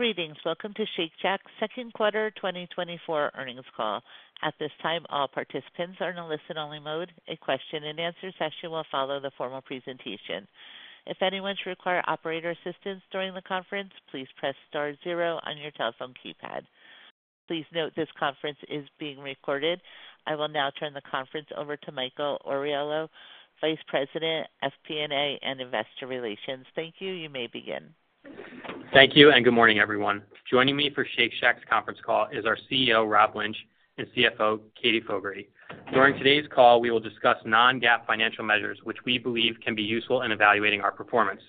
Greetings. Welcome to Shake Shack's Second Quarter 2024 Earnings Call. At this time, all participants are in a listen-only mode. A question-and-answer session will follow the formal presentation. If anyone should require operator assistance during the conference, please press star zero on your telephone keypad. Please note this conference is being recorded. I will now turn the conference over to Michael Oriolo, Vice President, FP&A, and Investor Relations. Thank you. You may begin. Thank you, and good morning, everyone. Joining me for Shake Shack's conference call is our CEO, Rob Lynch, and CFO, Katie Fogarty. During today's call, we will discuss non-GAAP financial measures, which we believe can be useful in evaluating our performance.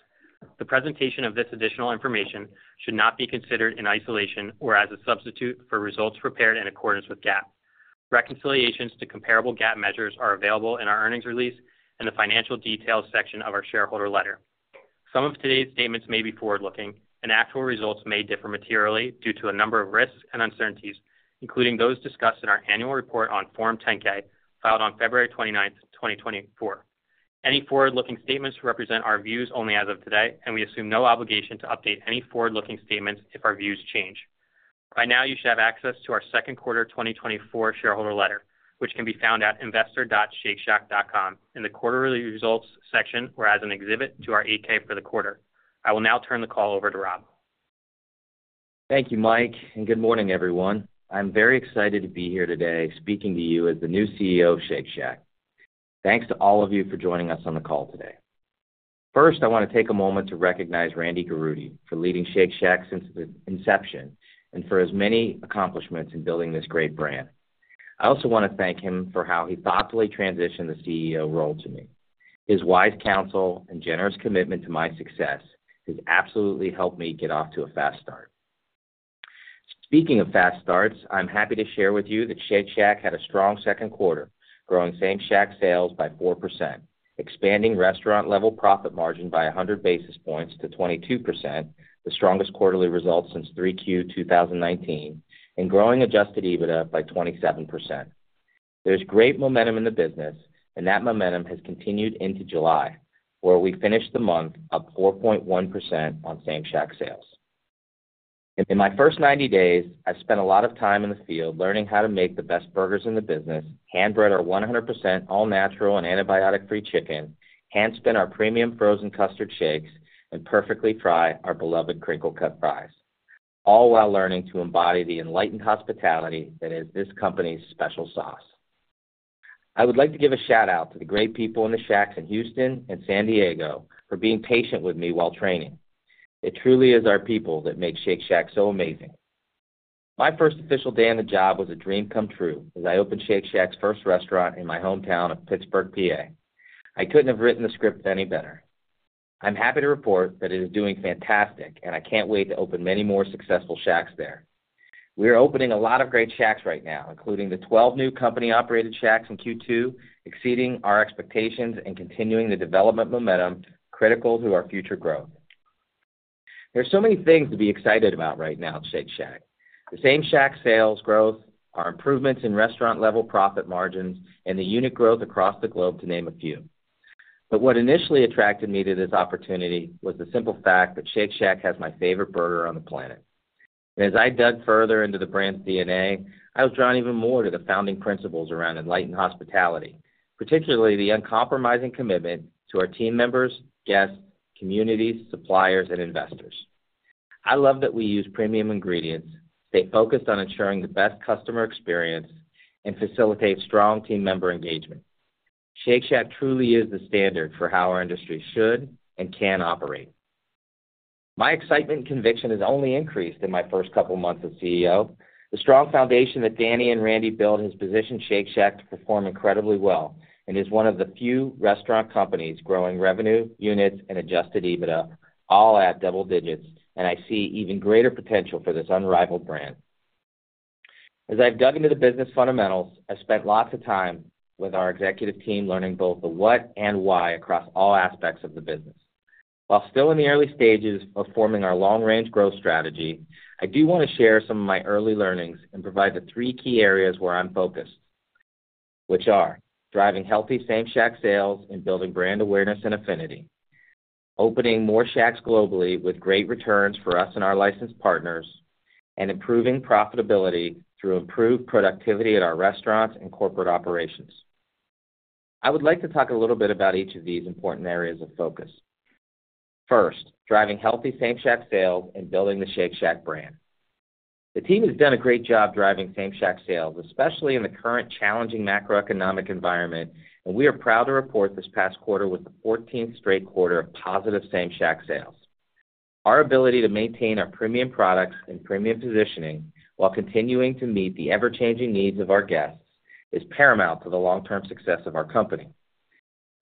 The presentation of this additional information should not be considered in isolation or as a substitute for results prepared in accordance with GAAP. Reconciliations to comparable GAAP measures are available in our earnings release and the financial details section of our shareholder letter. Some of today's statements may be forward-looking, and actual results may differ materially due to a number of risks and uncertainties, including those discussed in our annual report on Form 10-K filed on February 29, 2024. Any forward-looking statements represent our views only as of today, and we assume no obligation to update any forward-looking statements if our views change. Right now, you should have access to our second quarter 2024 shareholder letter, which can be found at investor.shakeshack.com in the quarterly results section or as an exhibit to our 8-K for the quarter. I will now turn the call over to Rob. Thank you, Mike, and good morning, everyone. I'm very excited to be here today speaking to you as the new CEO of Shake Shack. Thanks to all of you for joining us on the call today. First, I want to take a moment to recognize Randy Garutti for leading Shake Shack since its inception and for his many accomplishments in building this great brand. I also want to thank him for how he thoughtfully transitioned the CEO role to me. His wise counsel and generous commitment to my success have absolutely helped me get off to a fast start. Speaking of fast starts, I'm happy to share with you that Shake Shack had a strong second quarter, growing Shake Shack sales by 4%, expanding restaurant-level profit margin by 100 basis points to 22%, the strongest quarterly result since 3Q 2019, and growing Adjusted EBITDA by 27%. There's great momentum in the business, and that momentum has continued into July, where we finished the month up 4.1% on Same-Shack Sales. In my first 90 days, I've spent a lot of time in the field learning how to make the best burgers in the business, hand-bread our 100% all-natural and antibiotic-free chicken, hand-spin our premium frozen custard shakes, and perfectly fry our beloved crinkle-cut fries, all while learning to embody the Enlightened Hospitality that is this company's special sauce. I would like to give a shout-out to the great people in the Shacks in Houston and San Diego for being patient with me while training. It truly is our people that make Shake Shack so amazing. My first official day on the job was a dream come true as I opened Shake Shack's first restaurant in my hometown of Pittsburgh, PA. I couldn't have written the script any better. I'm happy to report that it is doing fantastic, and I can't wait to open many more successful Shacks there. We are opening a lot of great Shacks right now, including the 12 new company-operated Shacks in Q2, exceeding our expectations and continuing the development momentum critical to our future growth. There are so many things to be excited about right now at Shake Shack. The Same-Shack Sales growth, our improvements in restaurant-level profit margins, and the unit growth across the globe to name a few. But what initially attracted me to this opportunity was the simple fact that Shake Shack has my favorite burger on the planet. As I dug further into the brand's DNA, I was drawn even more to the founding principles around Enlightened Hospitality, particularly the uncompromising commitment to our team members, guests, communities, suppliers, and investors. I love that we use premium ingredients, stay focused on ensuring the best customer experience, and facilitate strong team member engagement. Shake Shack truly is the standard for how our industry should and can operate. My excitement and conviction have only increased in my first couple of months as CEO. The strong foundation that Danny and Randy built has positioned Shake Shack to perform incredibly well and is one of the few restaurant companies growing revenue, units, and Adjusted EBITDA all at double digits, and I see even greater potential for this unrivaled brand. As I've dug into the business fundamentals, I've spent lots of time with our executive team learning both the what and why across all aspects of the business. While still in the early stages of forming our long-range growth strategy, I do want to share some of my early learnings and provide the 3 key areas where I'm focused, which are driving healthy Same-Shack Sales and building brand awareness and affinity, opening more Shacks globally with great returns for us and our licensed partners, and improving profitability through improved productivity at our restaurants and corporate operations. I would like to talk a little bit about each of these important areas of focus. First, driving healthy Same-Shack Sales and building the Shake Shack brand. The team has done a great job driving Same-Shack Sales, especially in the current challenging macroeconomic environment, and we are proud to report this past quarter was the 14th straight quarter of positive Same-Shack Sales. Our ability to maintain our premium products and premium positioning while continuing to meet the ever-changing needs of our guests is paramount to the long-term success of our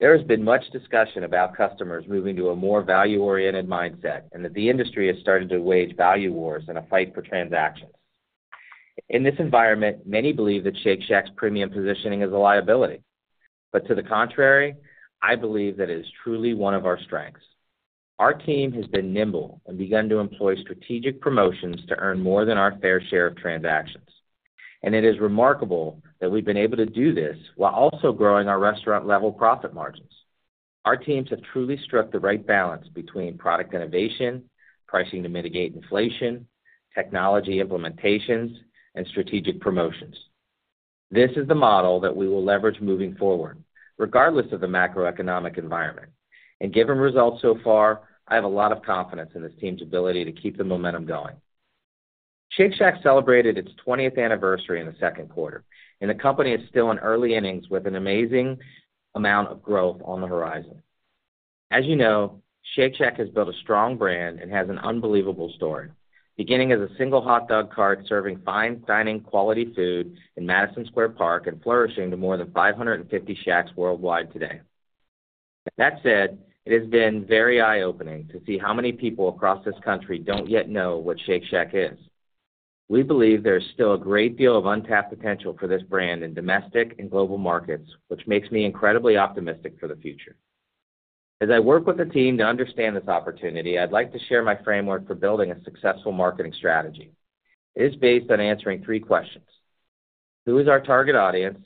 company. There has been much discussion about customers moving to a more value-oriented mindset and that the industry has started to wage value wars in a fight for transactions. In this environment, many believe that Shake Shack's premium positioning is a liability, but to the contrary, I believe that it is truly one of our strengths. Our team has been nimble and begun to employ strategic promotions to earn more than our fair share of transactions, and it is remarkable that we've been able to do this while also growing our restaurant-level profit margins. Our teams have truly struck the right balance between product innovation, pricing to mitigate inflation, technology implementations, and strategic promotions. This is the model that we will leverage moving forward, regardless of the macroeconomic environment. And given results so far, I have a lot of confidence in this team's ability to keep the momentum going. Shake Shack celebrated its 20th anniversary in the second quarter, and the company is still in early innings with an amazing amount of growth on the horizon. As you know, Shake Shack has built a strong brand and has an unbelievable story, beginning as a single hot dog cart serving fine dining quality food in Madison Square Park and flourishing to more than 550 Shacks worldwide today. That said, it has been very eye-opening to see how many people across this country don't yet know what Shake Shack is. We believe there is still a great deal of untapped potential for this brand in domestic and global markets, which makes me incredibly optimistic for the future. As I work with the team to understand this opportunity, I'd like to share my framework for building a successful marketing strategy. It is based on answering three questions: Who is our target audience?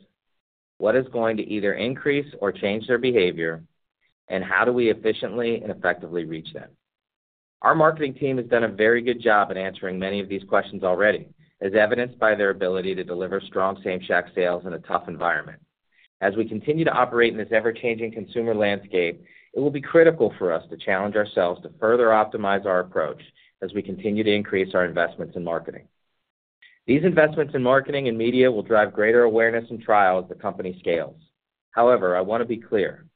What is going to either increase or change their behavior? And how do we efficiently and effectively reach them? Our marketing team has done a very good job in answering many of these questions already, as evidenced by their ability to deliver strong Same-Shack Sales in a tough environment. As we continue to operate in this ever-changing consumer landscape, it will be critical for us to challenge ourselves to further optimize our approach as we continue to increase our investments in marketing. These investments in marketing and media will drive greater awareness and trial as the company scales. However, I want to be clear.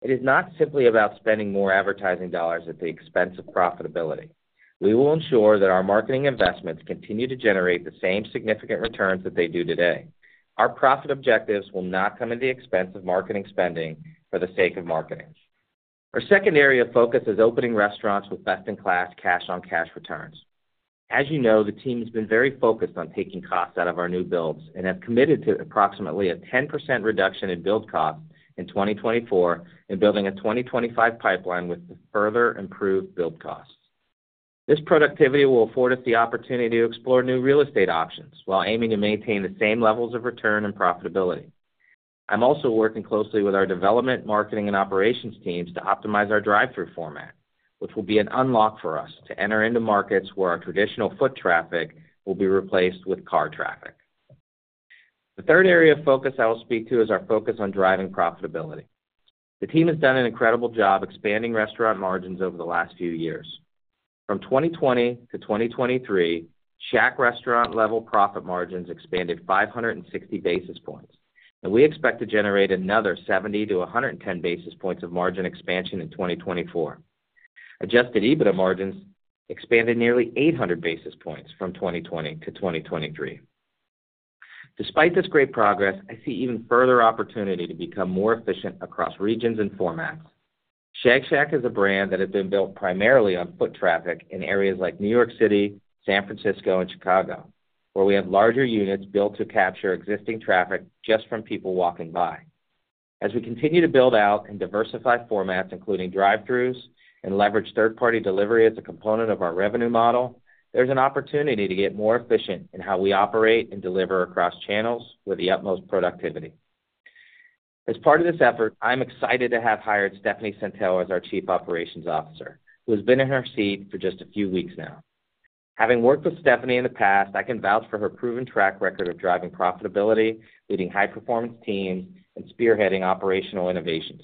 It is not simply about spending more advertising dollars at the expense of profitability. We will ensure that our marketing investments continue to generate the same significant returns that they do today. Our profit objectives will not come at the expense of marketing spending for the sake of marketing. Our second area of focus is opening restaurants with best-in-class cash-on-cash returns. As you know, the team has been very focused on taking costs out of our new builds and has committed to approximately a 10% reduction in build costs in 2024 and building a 2025 pipeline with further improved build costs. This productivity will afford us the opportunity to explore new real estate options while aiming to maintain the same levels of return and profitability. I'm also working closely with our development, marketing, and operations teams to optimize our drive-through format, which will be an unlock for us to enter into markets where our traditional foot traffic will be replaced with car traffic. The third area of focus I will speak to is our focus on driving profitability. The team has done an incredible job expanding restaurant margins over the last few years. From 2020 to 2023, Shack restaurant-level profit margins expanded 560 basis points, and we expect to generate another 70 to 110 basis points of margin expansion in 2024. Adjusted EBITDA margins expanded nearly 800 basis points from 2020 to 2023. Despite this great progress, I see even further opportunity to become more efficient across regions and formats. Shake Shack is a brand that has been built primarily on foot traffic in areas like New York City, San Francisco, and Chicago, where we have larger units built to capture existing traffic just from people walking by. As we continue to build out and diversify formats, including drive-throughs, and leverage third-party delivery as a component of our revenue model, there's an opportunity to get more efficient in how we operate and deliver across channels with the utmost productivity. As part of this effort, I'm excited to have hired Stephanie Sentell as our Chief Operations Officer, who has been in her seat for just a few weeks now. Having worked with Stephanie in the past, I can vouch for her proven track record of driving profitability, leading high-performance teams, and spearheading operational innovations.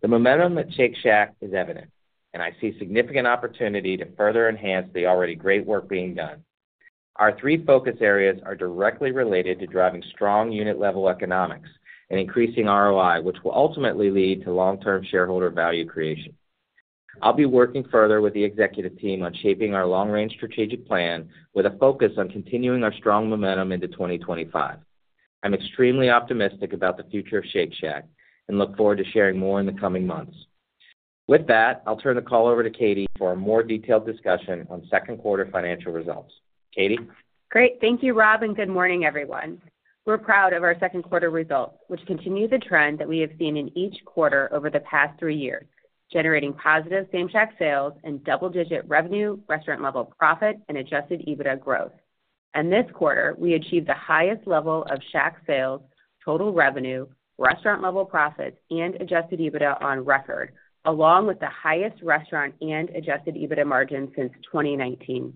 The momentum at Shake Shack is evident, and I see significant opportunity to further enhance the already great work being done. Our three focus areas are directly related to driving strong unit-level economics and increasing ROI, which will ultimately lead to long-term shareholder value creation. I'll be working further with the executive team on shaping our long-range strategic plan with a focus on continuing our strong momentum into 2025. I'm extremely optimistic about the future of Shake Shack and look forward to sharing more in the coming months. With that, I'll turn the call over to Katie for a more detailed discussion on second quarter financial results. Katie. Great. Thank you, Rob, and good morning, everyone. We're proud of our second quarter results, which continue the trend that we have seen in each quarter over the past three years, generating positive Same-Shack Sales and double-digit revenue, restaurant-level profit, and Adjusted EBITDA growth. This quarter, we achieved the highest level of Shack sales, total revenue, restaurant-level profits, and Adjusted EBITDA on record, along with the highest restaurant and Adjusted EBITDA margin since 2019.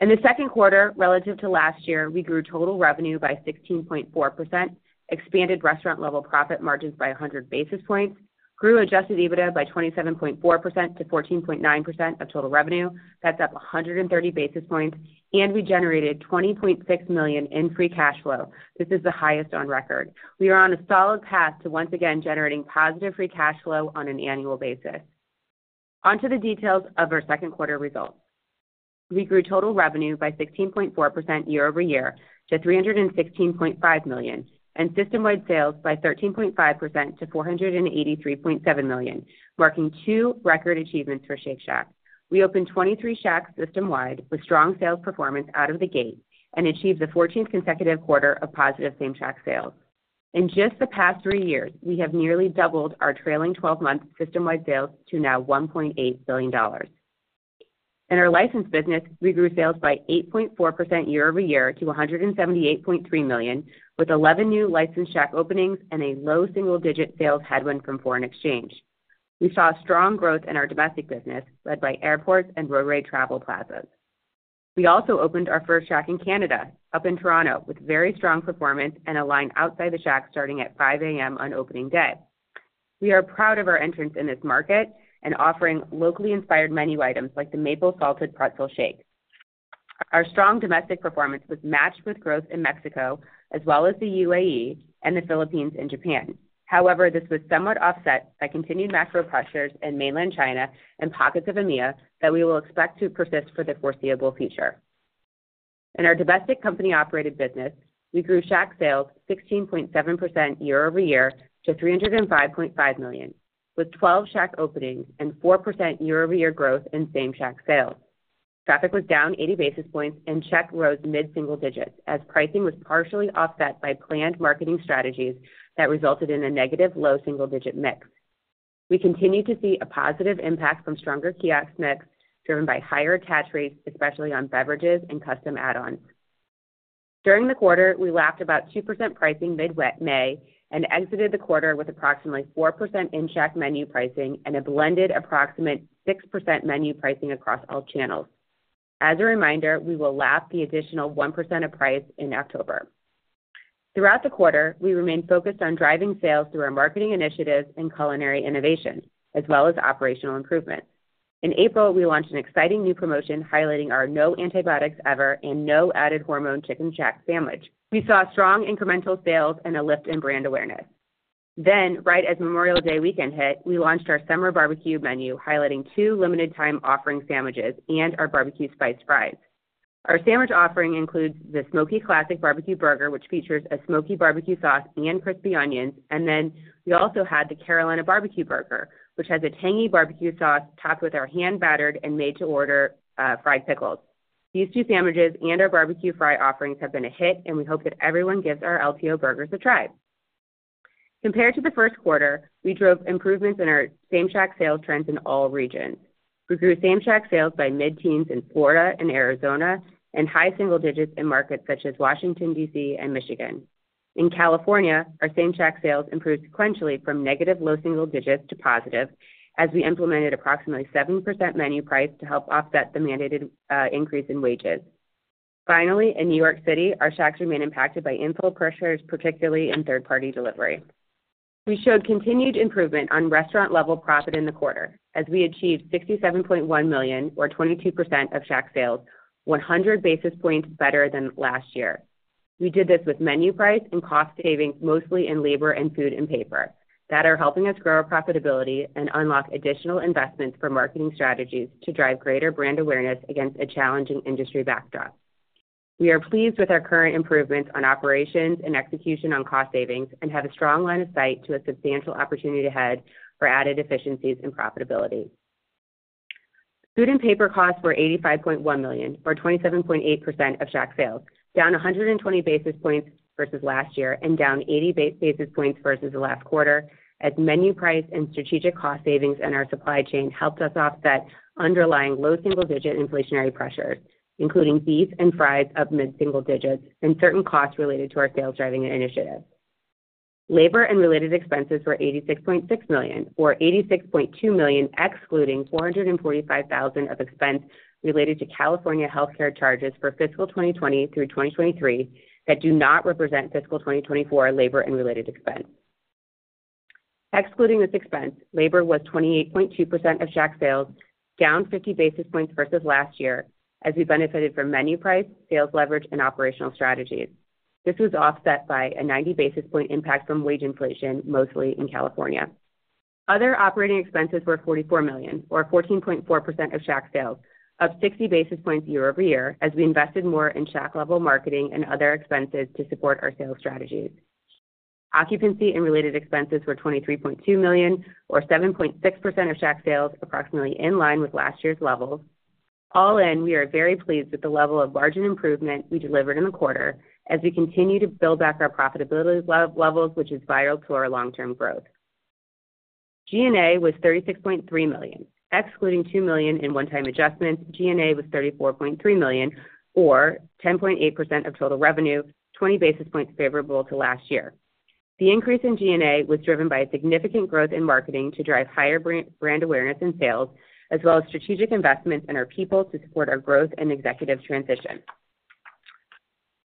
In the second quarter, relative to last year, we grew total revenue by 16.4%, expanded restaurant-level profit margins by 100 basis points, grew Adjusted EBITDA by 27.4% to 14.9% of total revenue. That's up 130 basis points, and we generated $20.6 million in free cash flow. This is the highest on record. We are on a solid path to once again generating positive free cash flow on an annual basis. Onto the details of our second quarter results. We grew total revenue by 16.4% year over year to $316.5 million, and system-wide sales by 13.5% to $483.7 million, marking two record achievements for Shake Shack. We opened 23 Shacks system-wide with strong sales performance out of the gate and achieved the 14th consecutive quarter of positive Same-Shack Sales. In just the past three years, we have nearly doubled our trailing 12-month system-wide sales to now $1.8 billion. In our licensed business, we grew sales by 8.4% year over year to $178.3 million, with 11 new licensed Shack openings and a low single-digit sales headwind from foreign exchange. We saw strong growth in our domestic business led by airports and roadway travel plazas. We also opened our first Shack in Canada, up in Toronto, with very strong performance and a line outside the Shack starting at 5:00 A.M. on opening day. We are proud of our entrance in this market and offering locally inspired menu items like the Maple Salted Pretzel Shake. Our strong domestic performance was matched with growth in Mexico, as well as the UAE and the Philippines and Japan. However, this was somewhat offset by continued macro pressures in mainland China and pockets of EMEA that we will expect to persist for the foreseeable future. In our domestic company-operated business, we grew Shack sales 16.7% year-over-year to $305.5 million, with 12 Shack openings and 4% year-over-year growth in Same-Shack Sales. Traffic was down 80 basis points, and check rose mid-single digits as pricing was partially offset by planned marketing strategies that resulted in a negative low single-digit mix. We continue to see a positive impact from stronger kiosk mix driven by higher attach rates, especially on beverages and custom add-ons. During the quarter, we lapped about 2% pricing mid-May and exited the quarter with approximately 4% in-Shack menu pricing and a blended approximate 6% menu pricing across all channels. As a reminder, we will lap the additional 1% of price in October. Throughout the quarter, we remained focused on driving sales through our marketing initiatives and culinary innovations, as well as operational improvements. In April, we launched an exciting new promotion highlighting our no antibiotics ever and no added hormone Chicken Shack sandwich. We saw strong incremental sales and a lift in brand awareness. Then, right as Memorial Day weekend hit, we launched our summer barbecue menu highlighting 2 limited-time offering sandwiches and our BBQ Spiced Fries. Our sandwich offering includes the Smoky Classic BBQ Burger, which features a smoky BBQ sauce and crispy onions, and then we also had the Carolina BBQ Burger, which has a tangy BBQ sauce topped with our hand-battered and made-to-order fried pickles. These two sandwiches and our BBQ Fries offerings have been a hit, and we hope that everyone gives our LTO burgers a try. Compared to the first quarter, we drove improvements in our Same-Shack Sales trends in all regions. We grew Same-Shack Sales by mid-teens in Florida and Arizona and high single digits in markets such as Washington, D.C., and Michigan. In California, our Same-Shack Sales improved sequentially from negative low single digits to positive as we implemented approximately 7% menu price to help offset the mandated increase in wages. Finally, in New York City, our Shacks remain impacted by infill pressures, particularly in third-party delivery. We showed continued improvement on restaurant-level profit in the quarter as we achieved $67.1 million, or 22% of Shack sales, 100 basis points better than last year. We did this with menu price and cost savings, mostly in labor and food and paper, that are helping us grow our profitability and unlock additional investments for marketing strategies to drive greater brand awareness against a challenging industry backdrop. We are pleased with our current improvements on operations and execution on cost savings and have a strong line of sight to a substantial opportunity ahead for added efficiencies and profitability. Food and paper costs were $85.1 million, or 27.8% of Shack sales, down 120 basis points versus last year and down 80 basis points versus the last quarter, as menu price and strategic cost savings in our supply chain helped us offset underlying low single-digit inflationary pressures, including beef and fries up mid-single digits and certain costs related to our sales driving initiative. Labor and related expenses were $86.6 million, or $86.2 million excluding $445,000 of expense related to California healthcare charges for fiscal 2020 through 2023 that do not represent fiscal 2024 labor and related expense. Excluding this expense, labor was 28.2% of Shack sales, down 50 basis points versus last year, as we benefited from menu price, sales leverage, and operational strategies. This was offset by a 90 basis point impact from wage inflation, mostly in California. Other operating expenses were $44 million, or 14.4% of Shack sales, up 60 basis points year-over-year as we invested more in Shack-level marketing and other expenses to support our sales strategies. Occupancy and related expenses were $23.2 million, or 7.6% of Shack sales, approximately in line with last year's levels. All in, we are very pleased with the level of margin improvement we delivered in the quarter as we continue to build back our profitability levels, which is vital to our long-term growth. G&A was $36.3 million. Excluding $2 million in one-time adjustments, G&A was $34.3 million, or 10.8% of total revenue, 20 basis points favorable to last year. The increase in G&A was driven by significant growth in marketing to drive higher brand awareness and sales, as well as strategic investments in our people to support our growth and executive transition.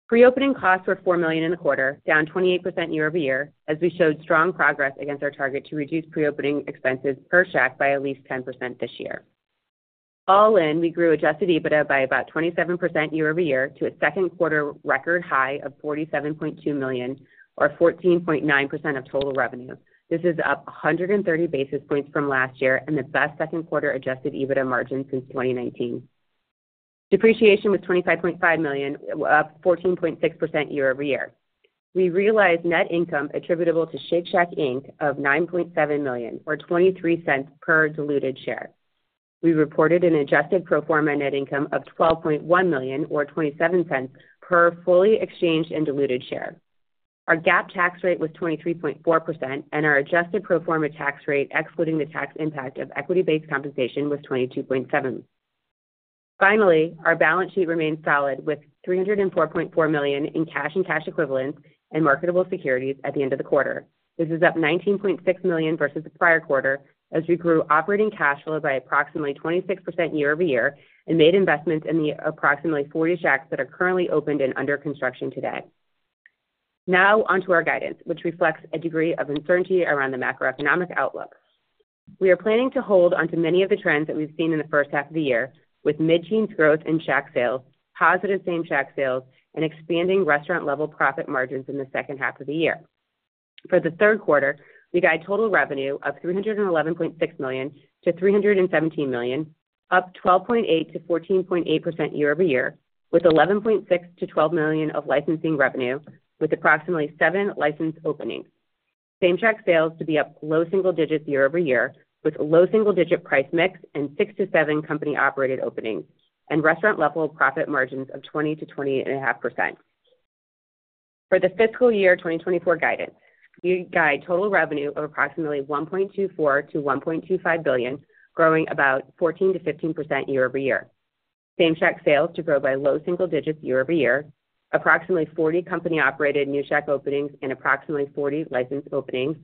Pre-opening costs were $4 million in the quarter, down 28% year-over-year, as we showed strong progress against our target to reduce pre-opening expenses per Shack by at least 10% this year. All in, we grew Adjusted EBITDA by about 27% year-over-year to a second quarter record high of $47.2 million, or 14.9% of total revenue. This is up 130 basis points from last year and the best second quarter Adjusted EBITDA margin since 2019. Depreciation was $25.5 million, up 14.6% year-over-year. We realized net income attributable to Shake Shack Inc. of $9.7 million, or $0.23 per diluted share. We reported an adjusted pro forma net income of $12.1 million, or $0.27 per fully exchanged and diluted share. Our GAAP tax rate was 23.4%, and our adjusted pro forma tax rate, excluding the tax impact of equity-based compensation, was 22.7%. Finally, our balance sheet remained solid with $304.4 million in cash and cash equivalents and marketable securities at the end of the quarter. This is up $19.6 million versus the prior quarter, as we grew operating cash flow by approximately 26% year over year and made investments in the approximately 40 Shacks that are currently opened and under construction today. Now onto our guidance, which reflects a degree of uncertainty around the macroeconomic outlook. We are planning to hold onto many of the trends that we've seen in the first half of the year, with mid-teens growth in Shack sales, positive Same-Shack Sales, and expanding restaurant-level profit margins in the second half of the year. For the third quarter, we guide total revenue of $311.6 million-$317 million, up 12.8%-14.8% year over year, with $11.6 million-$12 million of licensing revenue, with approximately 7 license openings. Same-Shack Sales to be up low single digits year-over-year, with low single-digit price mix and 6-7 company-operated openings, and restaurant-level profit margins of 20%-20.5%. For the fiscal year 2024 guidance, we guide total revenue of approximately $1.24 billion-$1.25 billion, growing about 14%-15% year-over-year. Same-Shack Sales to grow by low single digits year-over-year, approximately 40 company-operated new Shack openings, and approximately 40 license openings.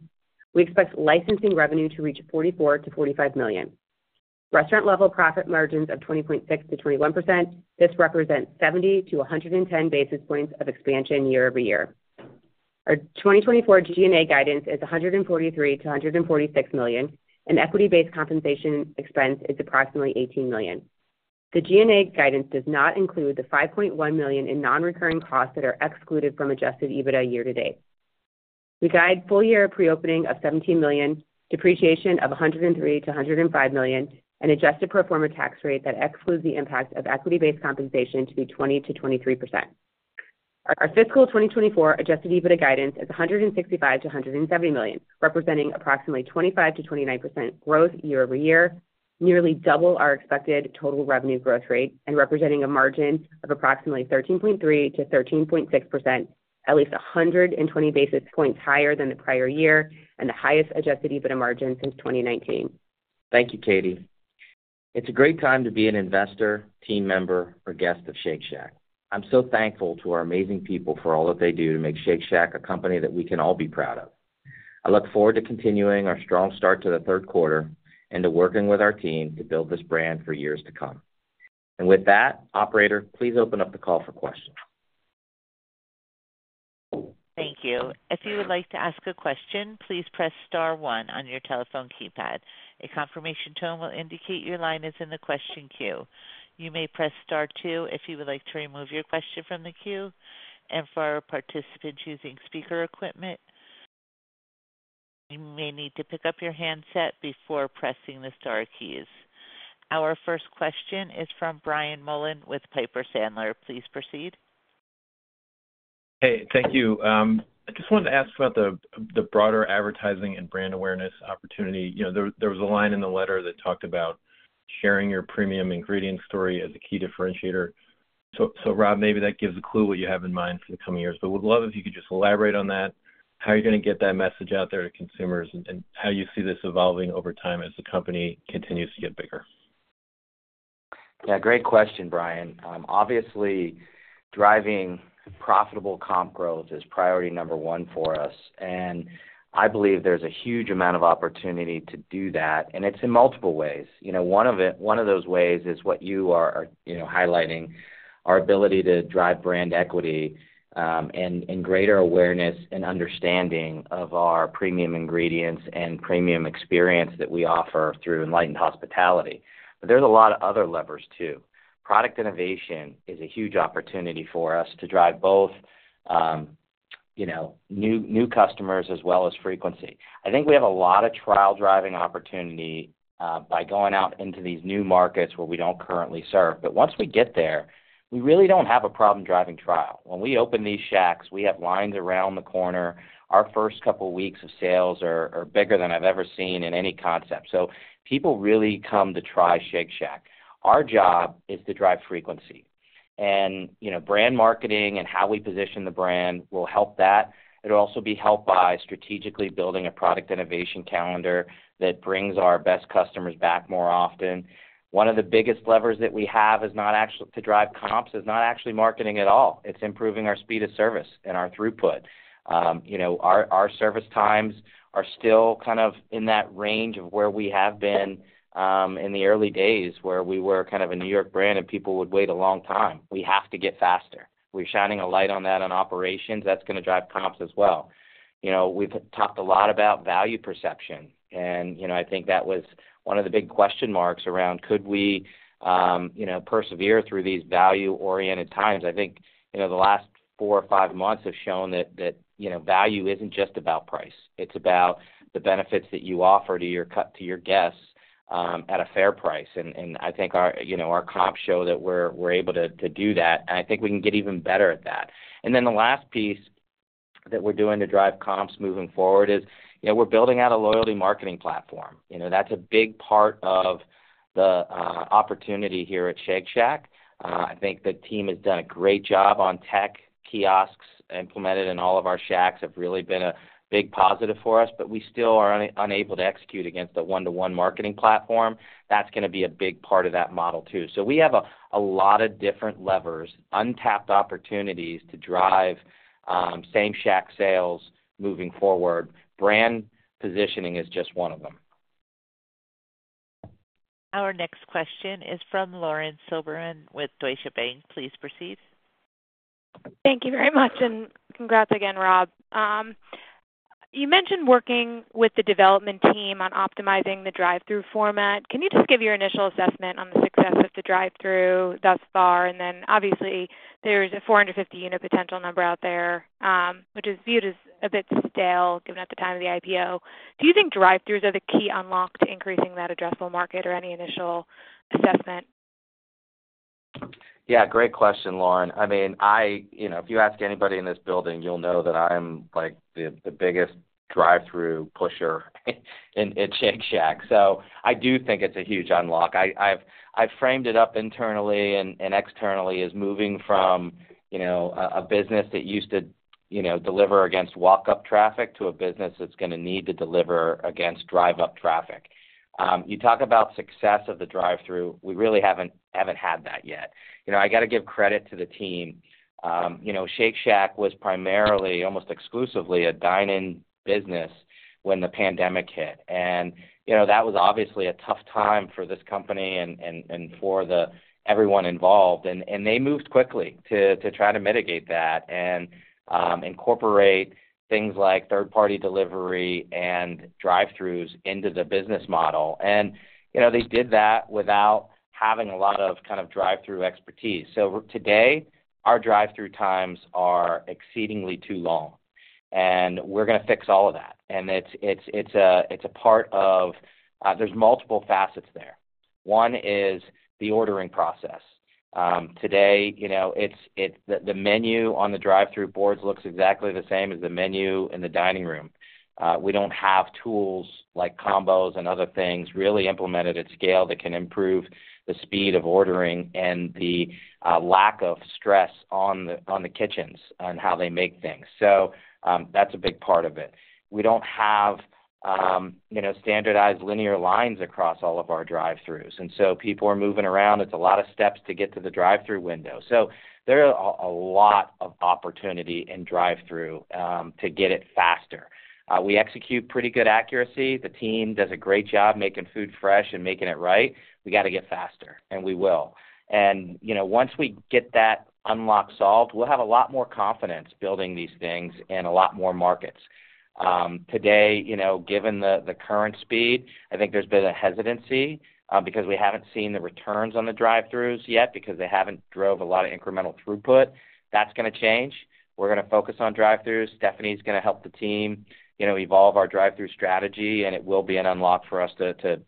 We expect licensing revenue to reach $44 million-$45 million. Restaurant-level profit margins of 20.6%-21%. This represents 70-110 basis points of expansion year-over-year. Our 2024 G&A guidance is $143 million-$146 million, and equity-based compensation expense is approximately $18 million. The G&A guidance does not include the $5.1 million in non-recurring costs that are excluded from Adjusted EBITDA year to date. We guide full year pre-opening of $17 million, depreciation of $103 million-$105 million, and adjusted pro forma tax rate that excludes the impact of equity-based compensation to be 20%-23%. Our fiscal 2024 adjusted EBITDA guidance is $165 million-$170 million, representing approximately 25%-29% growth year-over-year, nearly double our expected total revenue growth rate, and representing a margin of approximately 13.3%-13.6%, at least 120 basis points higher than the prior year and the highest adjusted EBITDA margin since 2019. Thank you, Katie. It's a great time to be an investor, team member, or guest of Shake Shack. I'm so thankful to our amazing people for all that they do to make Shake Shack a company that we can all be proud of. I look forward to continuing our strong start to the third quarter and to working with our team to build this brand for years to come. And with that, Operator, please open up the call for questions. Thank you. If you would like to ask a question, please press Star one on your telephone keypad. A confirmation tone will indicate your line is in the question queue. You may press Star two if you would like to remove your question from the queue. And for our participants using speaker equipment, you may need to pick up your handset before pressing the star keys. Our first question is from Brian Mullan with Piper Sandler. Please proceed. Hey, thank you. I just wanted to ask about the broader advertising and brand awareness opportunity. There was a line in the letter that talked about sharing your premium ingredient story as a key differentiator. So, Rob, maybe that gives a clue what you have in mind for the coming years. But we'd love if you could just elaborate on that, how you're going to get that message out there to consumers, and how you see this evolving over time as the company continues to get bigger. Yeah, great question, Brian. Obviously, driving profitable comp growth is priority number one for us. And I believe there's a huge amount of opportunity to do that. And it's in multiple ways. One of those ways is what you are highlighting, our ability to drive brand equity and greater awareness and understanding of our premium ingredients and premium experience that we offer through Enlightened Hospitality. But there's a lot of other levers too. Product innovation is a huge opportunity for us to drive both new customers as well as frequency. I think we have a lot of trial-driving opportunity by going out into these new markets where we don't currently serve. But once we get there, we really don't have a problem driving trial. When we open these Shacks, we have lines around the corner. Our first couple of weeks of sales are bigger than I've ever seen in any concept. So people really come to try Shake Shack. Our job is to drive frequency. And brand marketing and how we position the brand will help that. It'll also be helped by strategically building a product innovation calendar that brings our best customers back more often. One of the biggest levers that we have to drive comps is not actually marketing at all. It's improving our speed of service and our throughput. Our service times are still kind of in that range of where we have been in the early days where we were kind of a New York brand and people would wait a long time. We have to get faster. We're shining a light on that on operations. That's going to drive comps as well. We've talked a lot about value perception. And I think that was one of the big question marks around, could we persevere through these value-oriented times? I think the last four or five months have shown that value isn't just about price. It's about the benefits that you offer to your guests at a fair price. And I think our comps show that we're able to do that. And I think we can get even better at that. Then the last piece that we're doing to drive comps moving forward is we're building out a loyalty marketing platform. That's a big part of the opportunity here at Shake Shack. I think the team has done a great job on tech, kiosks implemented in all of our Shacks have really been a big positive for us. But we still are unable to execute against a one-to-one marketing platform. That's going to be a big part of that model too. So we have a lot of different levers, untapped opportunities to drive Same-Shack Sales moving forward. Brand positioning is just one of them. Our next question is from Lauren Silberman with Deutsche Bank. Please proceed. Thank you very much. Congrats again, Rob. You mentioned working with the development team on optimizing the drive-through format. Can you just give your initial assessment on the success of the drive-through thus far? And then, obviously, there's a 450-unit potential number out there, which is viewed as a bit stale given at the time of the IPO. Do you think drive-throughs are the key unlock to increasing that addressable market or any initial assessment? Yeah, great question, Lauren. I mean, if you ask anybody in this building, you'll know that I'm the biggest drive-through pusher at Shake Shack. So I do think it's a huge unlock. I've framed it up internally and externally as moving from a business that used to deliver against walk-up traffic to a business that's going to need to deliver against drive-up traffic. You talk about success of the drive-through, we really haven't had that yet. I got to give credit to the team. Shake Shack was primarily, almost exclusively, a dine-in business when the pandemic hit. That was obviously a tough time for this company and for everyone involved. They moved quickly to try to mitigate that and incorporate things like third-party delivery and drive-throughs into the business model. They did that without having a lot of kind of drive-through expertise. Today, our drive-through times are exceedingly too long. We're going to fix all of that. It's a part of. There's multiple facets there. One is the ordering process. Today, the menu on the drive-through boards looks exactly the same as the menu in the dining room. We don't have tools like combos and other things really implemented at scale that can improve the speed of ordering and the lack of stress on the kitchens and how they make things. That's a big part of it. We don't have standardized linear lines across all of our drive-throughs. And so people are moving around. It's a lot of steps to get to the drive-through window. So there are a lot of opportunity in drive-through to get it faster. We execute pretty good accuracy. The team does a great job making food fresh and making it right. We got to get faster. And we will. And once we get that unlock solved, we'll have a lot more confidence building these things in a lot more markets. Today, given the current speed, I think there's been a hesitancy because we haven't seen the returns on the drive-throughs yet because they haven't drove a lot of incremental throughput. That's going to change. We're going to focus on drive-throughs. Stephanie's going to help the team evolve our drive-through strategy. It will be an unlock for us to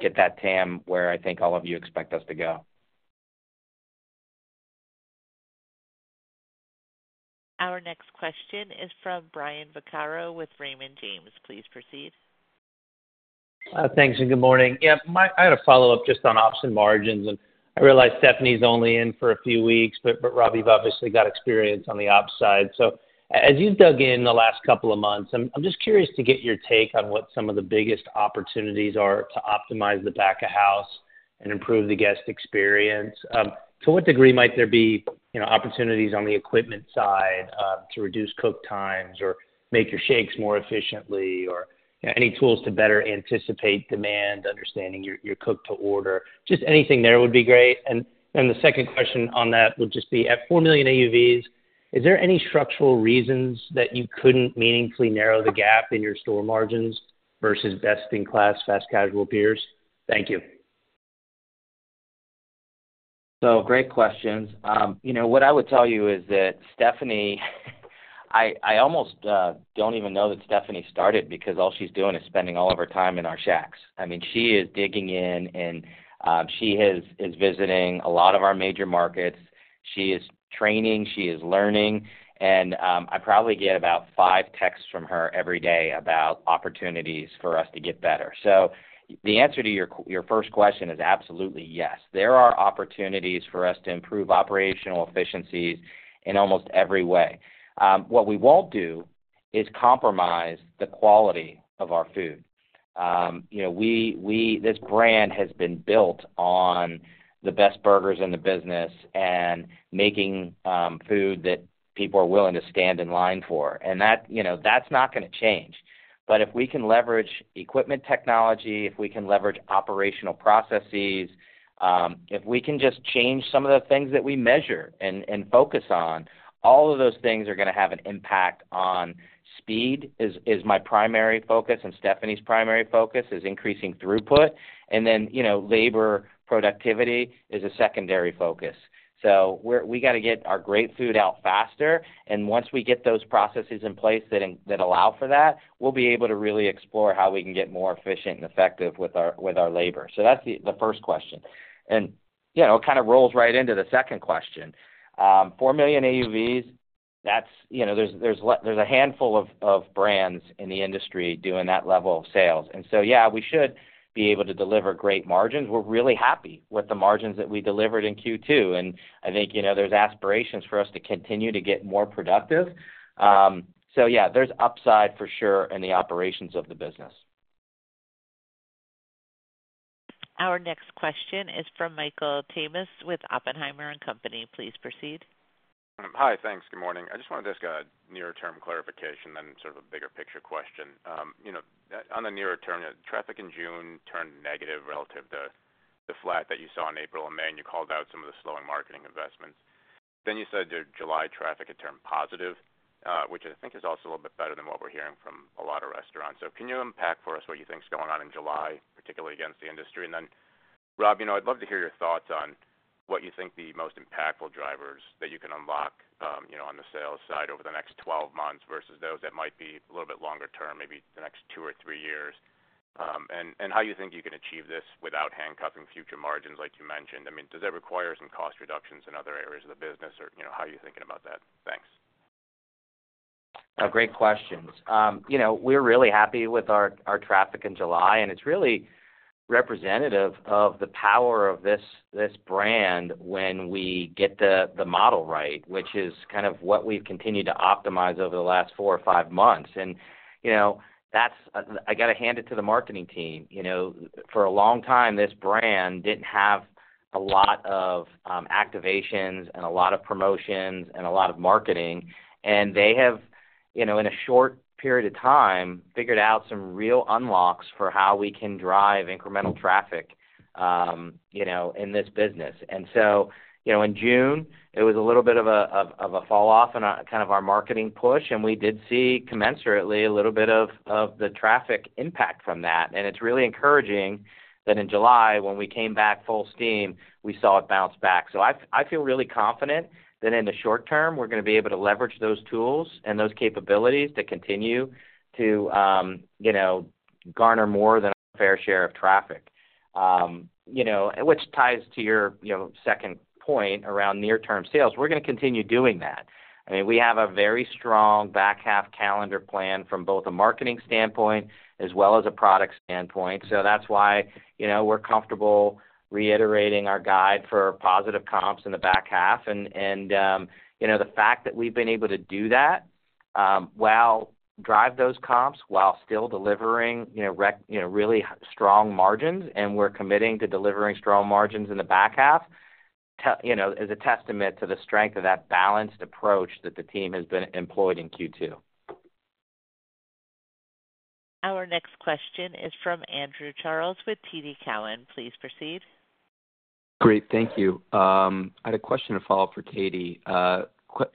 get that TAM where I think all of you expect us to go. Our next question is from Brian Vaccaro with Raymond James. Please proceed. Thanks and good morning. Yeah, I had a follow-up just on ops and margins. I realized Stephanie's only in for a few weeks, but Rob, you've obviously got experience on the ops side. So as you've dug in the last couple of months, I'm just curious to get your take on what some of the biggest opportunities are to optimize the back of house and improve the guest experience. To what degree might there be opportunities on the equipment side to reduce cook times or make your shakes more efficiently or any tools to better anticipate demand, understanding your cook-to-order? Just anything there would be great. And then the second question on that would just be at $4 million AUVs, is there any structural reasons that you couldn't meaningfully narrow the gap in your store margins versus best-in-class fast casual peers? Thank you. So great questions. What I would tell you is that Stephanie, I almost don't even know that Stephanie started because all she's doing is spending all of her time in our Shacks. I mean, she is digging in, and she is visiting a lot of our major markets. She is training. She is learning. And I probably get about five texts from her every day about opportunities for us to get better. So the answer to your first question is absolutely yes. There are opportunities for us to improve operational efficiencies in almost every way. What we won't do is compromise the quality of our food. This brand has been built on the best burgers in the business and making food that people are willing to stand in line for. And that's not going to change. But if we can leverage equipment technology, if we can leverage operational processes, if we can just change some of the things that we measure and focus on, all of those things are going to have an impact on speed. [Speed] is my primary focus and Stephanie's primary focus is increasing throughput. And then labor productivity is a secondary focus. So we got to get our great food out faster. And once we get those processes in place that allow for that, we'll be able to really explore how we can get more efficient and effective with our labor. So that's the first question. And it kind of rolls right into the second question. $4 million AUVs, there's a handful of brands in the industry doing that level of sales. And so, yeah, we should be able to deliver great margins. We're really happy with the margins that we delivered in Q2. And I think there's aspirations for us to continue to get more productive. So, yeah, there's upside for sure in the operations of the business. Our next question is from Michael Tamas with Oppenheimer & Co. Please proceed. Hi, thanks. Good morning. I just wanted to ask a near-term clarification and sort of a bigger picture question. On the near-term, traffic in June turned negative relative to the flat that you saw in April and May, and you called out some of the slowing marketing investments. Then you said your July traffic had turned positive, which I think is also a little bit better than what we're hearing from a lot of restaurants. So can you unpack for us what you think is going on in July, particularly against the industry? And then, Rob, I'd love to hear your thoughts on what you think the most impactful drivers that you can unlock on the sales side over the next 12 months versus those that might be a little bit longer term, maybe the next two or three years, and how you think you can achieve this without handcuffing future margins like you mentioned. I mean, does that require some cost reductions in other areas of the business, or how are you thinking about that? Thanks. Great questions. We're really happy with our traffic in July. It's really representative of the power of this brand when we get the model right, which is kind of what we've continued to optimize over the last 4 or 5 months. I got to hand it to the marketing team. For a long time, this brand didn't have a lot of activations and a lot of promotions and a lot of marketing. They have, in a short period of time, figured out some real unlocks for how we can drive incremental traffic in this business. In June, it was a little bit of a falloff in kind of our marketing push. We did see commensurately a little bit of the traffic impact from that. It's really encouraging that in July, when we came back full steam, we saw it bounce back. So I feel really confident that in the short term, we're going to be able to leverage those tools and those capabilities to continue to garner more than our fair share of traffic, which ties to your second point around near-term sales. We're going to continue doing that. I mean, we have a very strong back half calendar plan from both a marketing standpoint as well as a product standpoint. So that's why we're comfortable reiterating our guide for positive comps in the back half. And the fact that we've been able to do that, while driving those comps while still delivering really strong margins, and we're committing to delivering strong margins in the back half is a testament to the strength of that balanced approach that the team has been employed in Q2. Our next question is from Andrew Charles with TD Cowen. Please proceed. Great. Thank you. I had a question to follow up for Katie.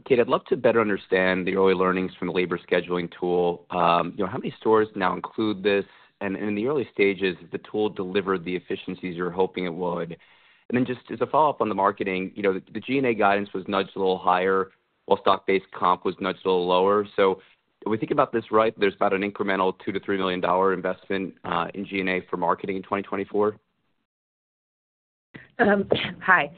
Katie, I'd love to better understand the early learnings from the labor scheduling tool. How many stores now include this? And in the early stages, the tool delivered the efficiencies you were hoping it would. And then just as a follow-up on the marketing, the G&A guidance was nudged a little higher while stock-based comp was nudged a little lower. So if we think about this right, there's about an incremental $2 million-$3 million investment in G&A for marketing in 2024. Hi.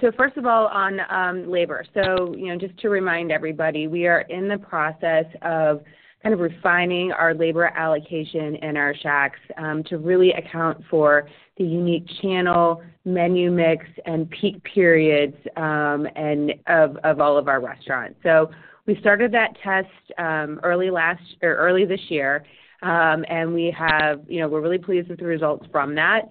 So first of all, on labor. So just to remind everybody, we are in the process of kind of refining our labor allocation in our Shacks to really account for the unique channel, menu mix, and peak periods of all of our restaurants. So we started that test early this year. And we're really pleased with the results from that.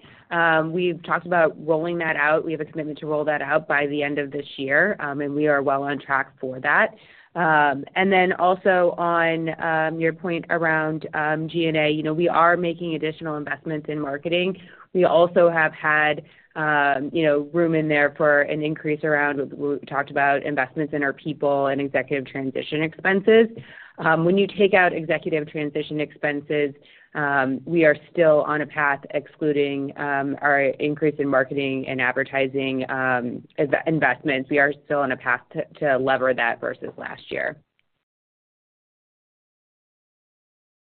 We've talked about rolling that out. We have a commitment to roll that out by the end of this year. And we are well on track for that. And then also on your point around G&A, we are making additional investments in marketing. We also have had room in there for an increase around what we talked about, investments in our people and executive transition expenses. When you take out executive transition expenses, we are still on a path excluding our increase in marketing and advertising investments. We are still on a path to leverage that versus last year.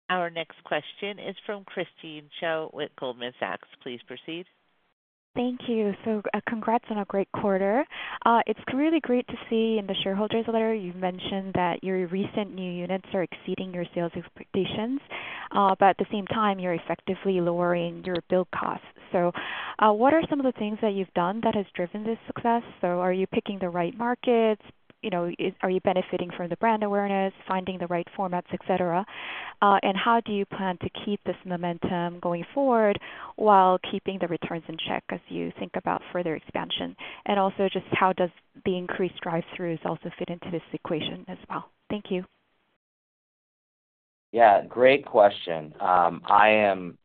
Our next question is from Christine Cho with Goldman Sachs. Please proceed. Thank you. So congrats on a great quarter. It's really great to see in the shareholders' letter you've mentioned that your recent new units are exceeding your sales expectations. But at the same time, you're effectively lowering your build costs. What are some of the things that you've done that has driven this success? Are you picking the right markets? Are you benefiting from the brand awareness, finding the right formats, etc.? And how do you plan to keep this momentum going forward while keeping the returns in check as you think about further expansion? And also just how does the increased drive-throughs also fit into this equation as well? Thank you. Yeah. Great question. I am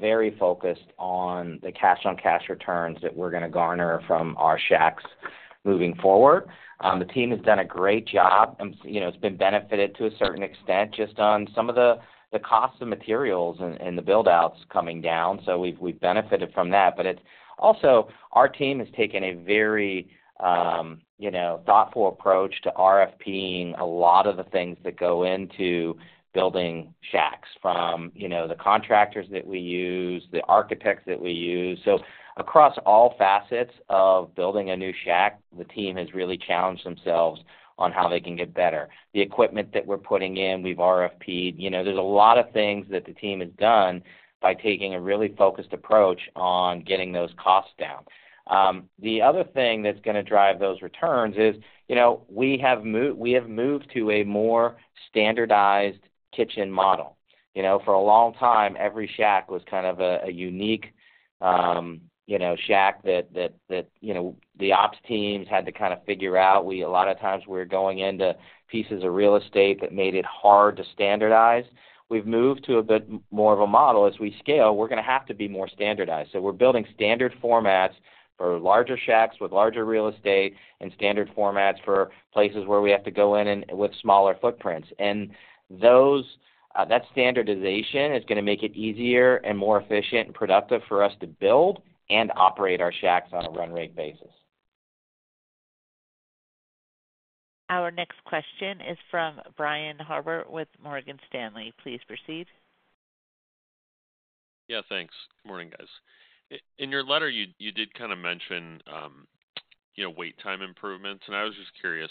very focused on the cash-on-cash returns that we're going to garner from our Shacks moving forward. The team has done a great job. It's been benefited to a certain extent just on some of the costs of materials and the build-outs coming down. So we've benefited from that. But also, our team has taken a very thoughtful approach to RFPing a lot of the things that go into building Shacks from the contractors that we use, the architects that we use. So across all facets of building a new Shack, the team has really challenged themselves on how they can get better. The equipment that we're putting in, we've RFPed. There's a lot of things that the team has done by taking a really focused approach on getting those costs down. The other thing that's going to drive those returns is we have moved to a more standardized kitchen model. For a long time, every Shack was kind of a unique Shack that the ops teams had to kind of figure out. A lot of times, we were going into pieces of real estate that made it hard to standardize. We've moved to a bit more of a model as we scale. We're going to have to be more standardized. So we're building standard formats for larger Shacks with larger real estate and standard formats for places where we have to go in with smaller footprints. And that standardization is going to make it easier and more efficient and productive for us to build and operate our Shacks on a run rate basis. Our next question is from Brian Harbour with Morgan Stanley. Please proceed. Yeah, thanks. Good morning, guys. In your letter, you did kind of mention wait time improvements. And I was just curious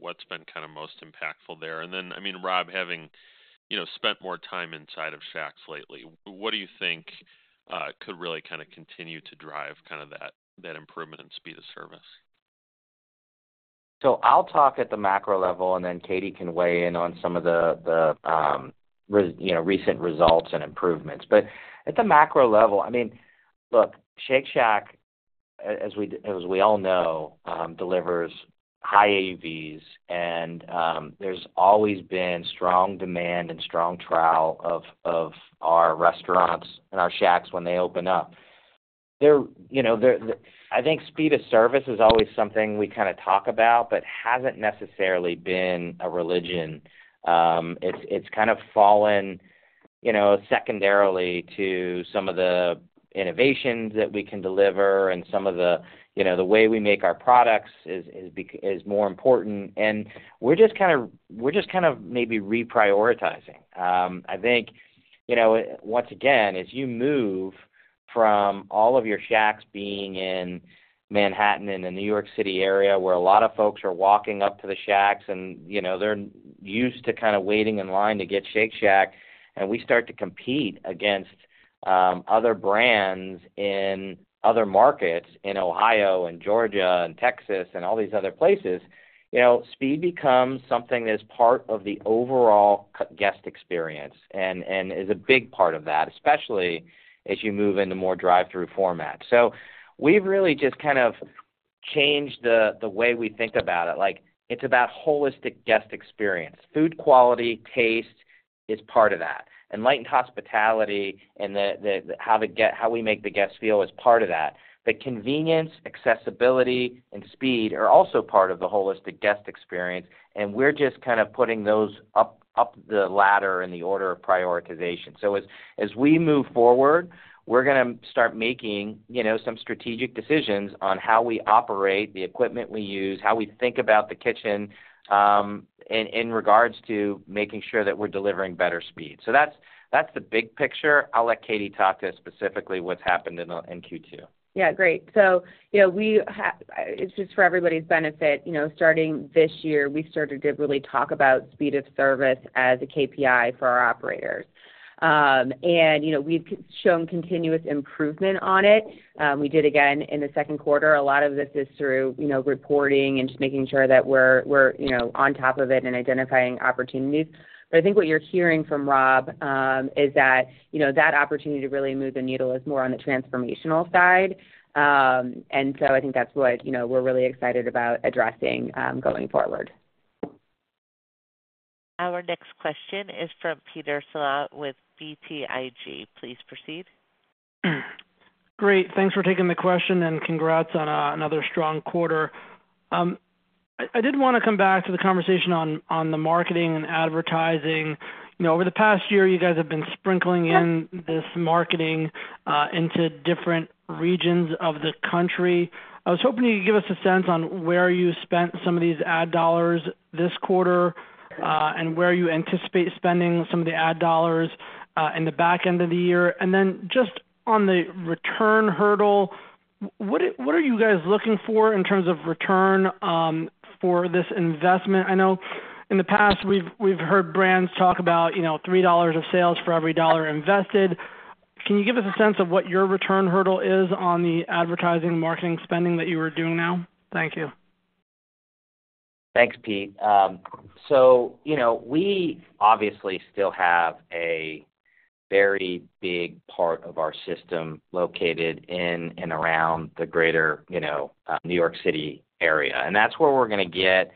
what's been kind of most impactful there. And then, I mean, Rob, having spent more time inside of Shacks lately, what do you think could really kind of continue to drive kind of that improvement in speed of service? So I'll talk at the macro level, and then Katie can weigh in on some of the recent results and improvements. But at the macro level, I mean, look, Shake Shack, as we all know, delivers high AUVs. There's always been strong demand and strong trial of our restaurants and our Shacks when they open up. I think speed of service is always something we kind of talk about, but hasn't necessarily been a religion. It's kind of fallen secondarily to some of the innovations that we can deliver and some of the way we make our products is more important. We're just kind of maybe reprioritizing. I think, once again, as you move from all of your Shacks being in Manhattan and the New York City area where a lot of folks are walking up to the Shacks and they're used to kind of waiting in line to get Shake Shack, and we start to compete against other brands in other markets in Ohio and Georgia and Texas and all these other places, speed becomes something that's part of the overall guest experience and is a big part of that, especially as you move into more drive-through formats. So we've really just kind of changed the way we think about it. It's about holistic guest experience. Food quality, taste is part of that. Enlightened Hospitality and how we make the guests feel is part of that. But convenience, accessibility, and speed are also part of the holistic guest experience. We're just kind of putting those up the ladder in the order of prioritization. So as we move forward, we're going to start making some strategic decisions on how we operate the equipment we use, how we think about the kitchen in regards to making sure that we're delivering better speed. So that's the big picture. I'll let Katie talk to us specifically what's happened in Q2. Yeah, great. So it's just for everybody's benefit. Starting this year, we started to really talk about speed of service as a KPI for our operators. And we've shown continuous improvement on it. We did, again, in the second quarter. A lot of this is through reporting and just making sure that we're on top of it and identifying opportunities. But I think what you're hearing from Rob is that that opportunity to really move the needle is more on the transformational side. And so I think that's what we're really excited about addressing going forward. Our next question is from Peter Saleh with BTIG. Please proceed. Great. Thanks for taking the question and congrats on another strong quarter. I did want to come back to the conversation on the marketing and advertising. Over the past year, you guys have been sprinkling in this marketing into different regions of the country. I was hoping you could give us a sense on where you spent some of these ad dollars this quarter and where you anticipate spending some of the ad dollars in the back end of the year. And then just on the return hurdle, what are you guys looking for in terms of return for this investment? I know in the past, we've heard brands talk about $3 of sales for every dollar invested. Can you give us a sense of what your return hurdle is on the advertising and marketing spending that you are doing now? Thank you. Thanks, Pete. So we obviously still have a very big part of our system located in and around the Greater New York City area. And that's where we're going to get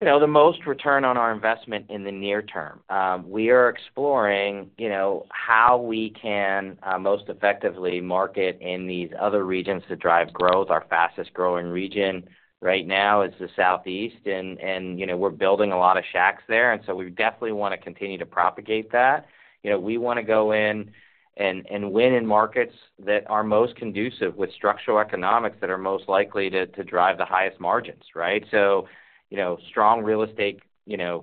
the most return on our investment in the near term. We are exploring how we can most effectively market in these other regions to drive growth. Our fastest growing region right now is the Southeast. And we're building a lot of Shacks there. And so we definitely want to continue to propagate that. We want to go in and win in markets that are most conducive with structural economics that are most likely to drive the highest margins, right? So strong real estate at an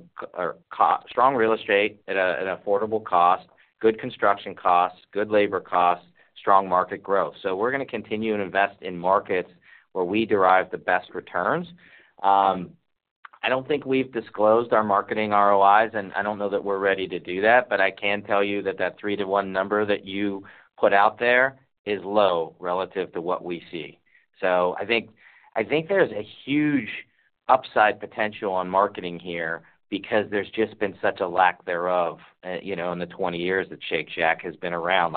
affordable cost, good construction costs, good labor costs, strong market growth. So we're going to continue to invest in markets where we derive the best returns. I don't think we've disclosed our marketing ROIs, and I don't know that we're ready to do that. But I can tell you that that 3:1 number that you put out there is low relative to what we see. So I think there's a huge upside potential on marketing here because there's just been such a lack thereof in the 20 years that Shake Shack has been around.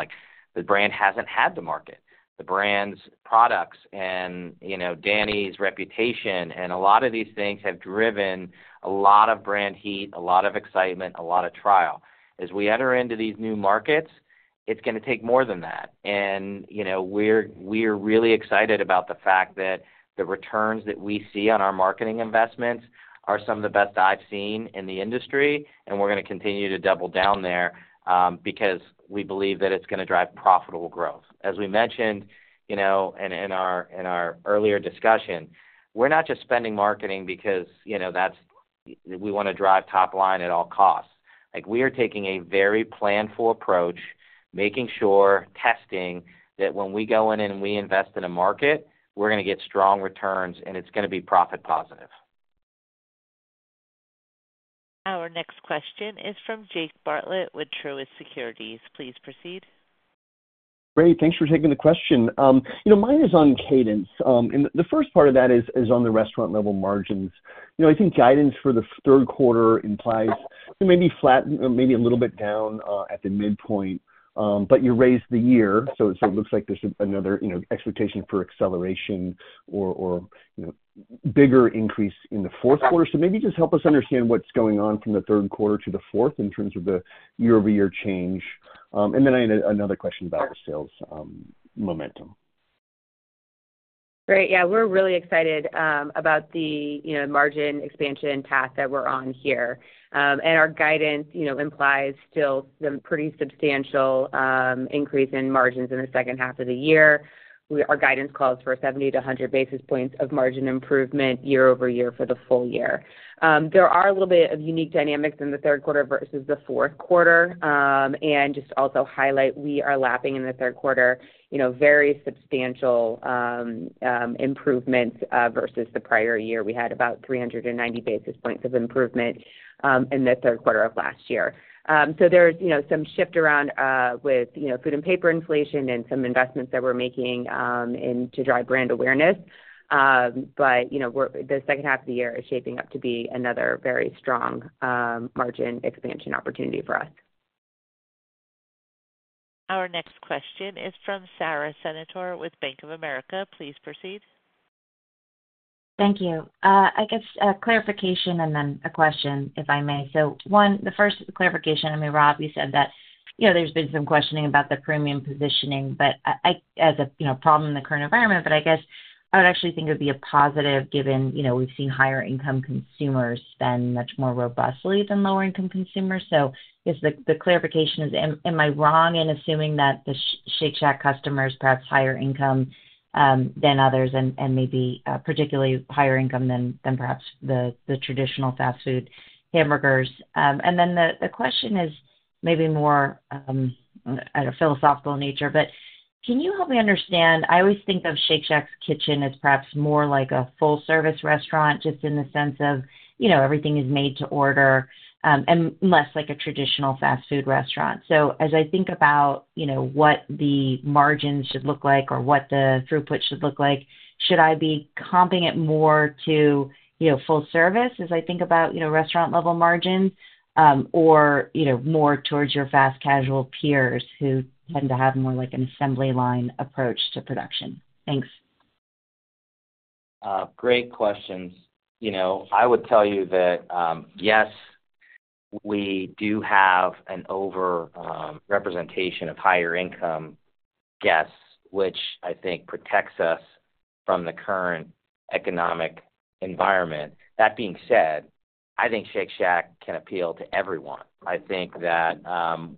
The brand hasn't had to market. The brand's products and Danny's reputation and a lot of these things have driven a lot of brand heat, a lot of excitement, a lot of trial. As we enter into these new markets, it's going to take more than that. We're really excited about the fact that the returns that we see on our marketing investments are some of the best I've seen in the industry. We're going to continue to double down there because we believe that it's going to drive profitable growth. As we mentioned in our earlier discussion, we're not just spending marketing because we want to drive top line at all costs. We are taking a very planful approach, making sure, testing that when we go in and we invest in a market, we're going to get strong returns, and it's going to be profit positive. Our next question is from Jake Bartlett with Truist Securities. Please proceed. Great. Thanks for taking the question. Mine is on cadence. And the first part of that is on the restaurant-level margins. I think guidance for the third quarter implies maybe flat, maybe a little bit down at the midpoint. But you raised the year, so it looks like there's another expectation for acceleration or bigger increase in the fourth quarter. So maybe just help us understand what's going on from the third quarter to the fourth in terms of the year-over-year change. And then I had another question about the sales momentum. Great. Yeah. We're really excited about the margin expansion path that we're on here. And our guidance implies still the pretty substantial increase in margins in the second half of the year. Our guidance calls for 70-100 basis points of margin improvement year-over-year for the full year. There are a little bit of unique dynamics in the third quarter versus the fourth quarter. Just to also highlight, we are lapping in the third quarter very substantial improvements versus the prior year. We had about 390 basis points of improvement in the third quarter of last year. So there's some shift around with food and paper inflation and some investments that we're making to drive brand awareness. But the second half of the year is shaping up to be another very strong margin expansion opportunity for us. Our next question is from Sara Senatore with Bank of America. Please proceed. Thank you. I guess a clarification and then a question, if I may. So the first clarification, I mean, Rob, you said that there's been some questioning about the premium positioning, but as a problem in the current environment. But I guess I would actually think it would be a positive given we've seen higher-income consumers spend much more robustly than lower-income consumers. So I guess the clarification is, am I wrong in assuming that the Shake Shack customers perhaps higher income than others and maybe particularly higher income than perhaps the traditional fast food hamburgers? And then the question is maybe more of a philosophical nature. But can you help me understand? I always think of Shake Shack's kitchen as perhaps more like a full-service restaurant just in the sense of everything is made to order and less like a traditional fast food restaurant. As I think about what the margins should look like or what the throughput should look like, should I be comping it more to full service as I think about restaurant-level margins or more towards your fast casual peers who tend to have more like an assembly line approach to production? Thanks. Great questions. I would tell you that, yes, we do have an overrepresentation of higher-income guests, which I think protects us from the current economic environment. That being said, I think Shake Shack can appeal to everyone. I think that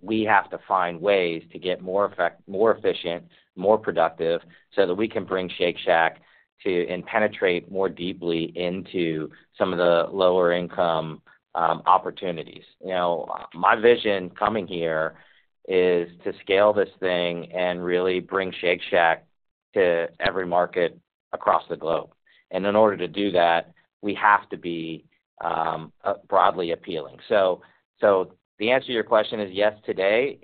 we have to find ways to get more efficient, more productive so that we can bring Shake Shack and penetrate more deeply into some of the lower-income opportunities. My vision coming here is to scale this thing and really bring Shake Shack to every market across the globe. In order to do that, we have to be broadly appealing. So the answer to your question is yes today.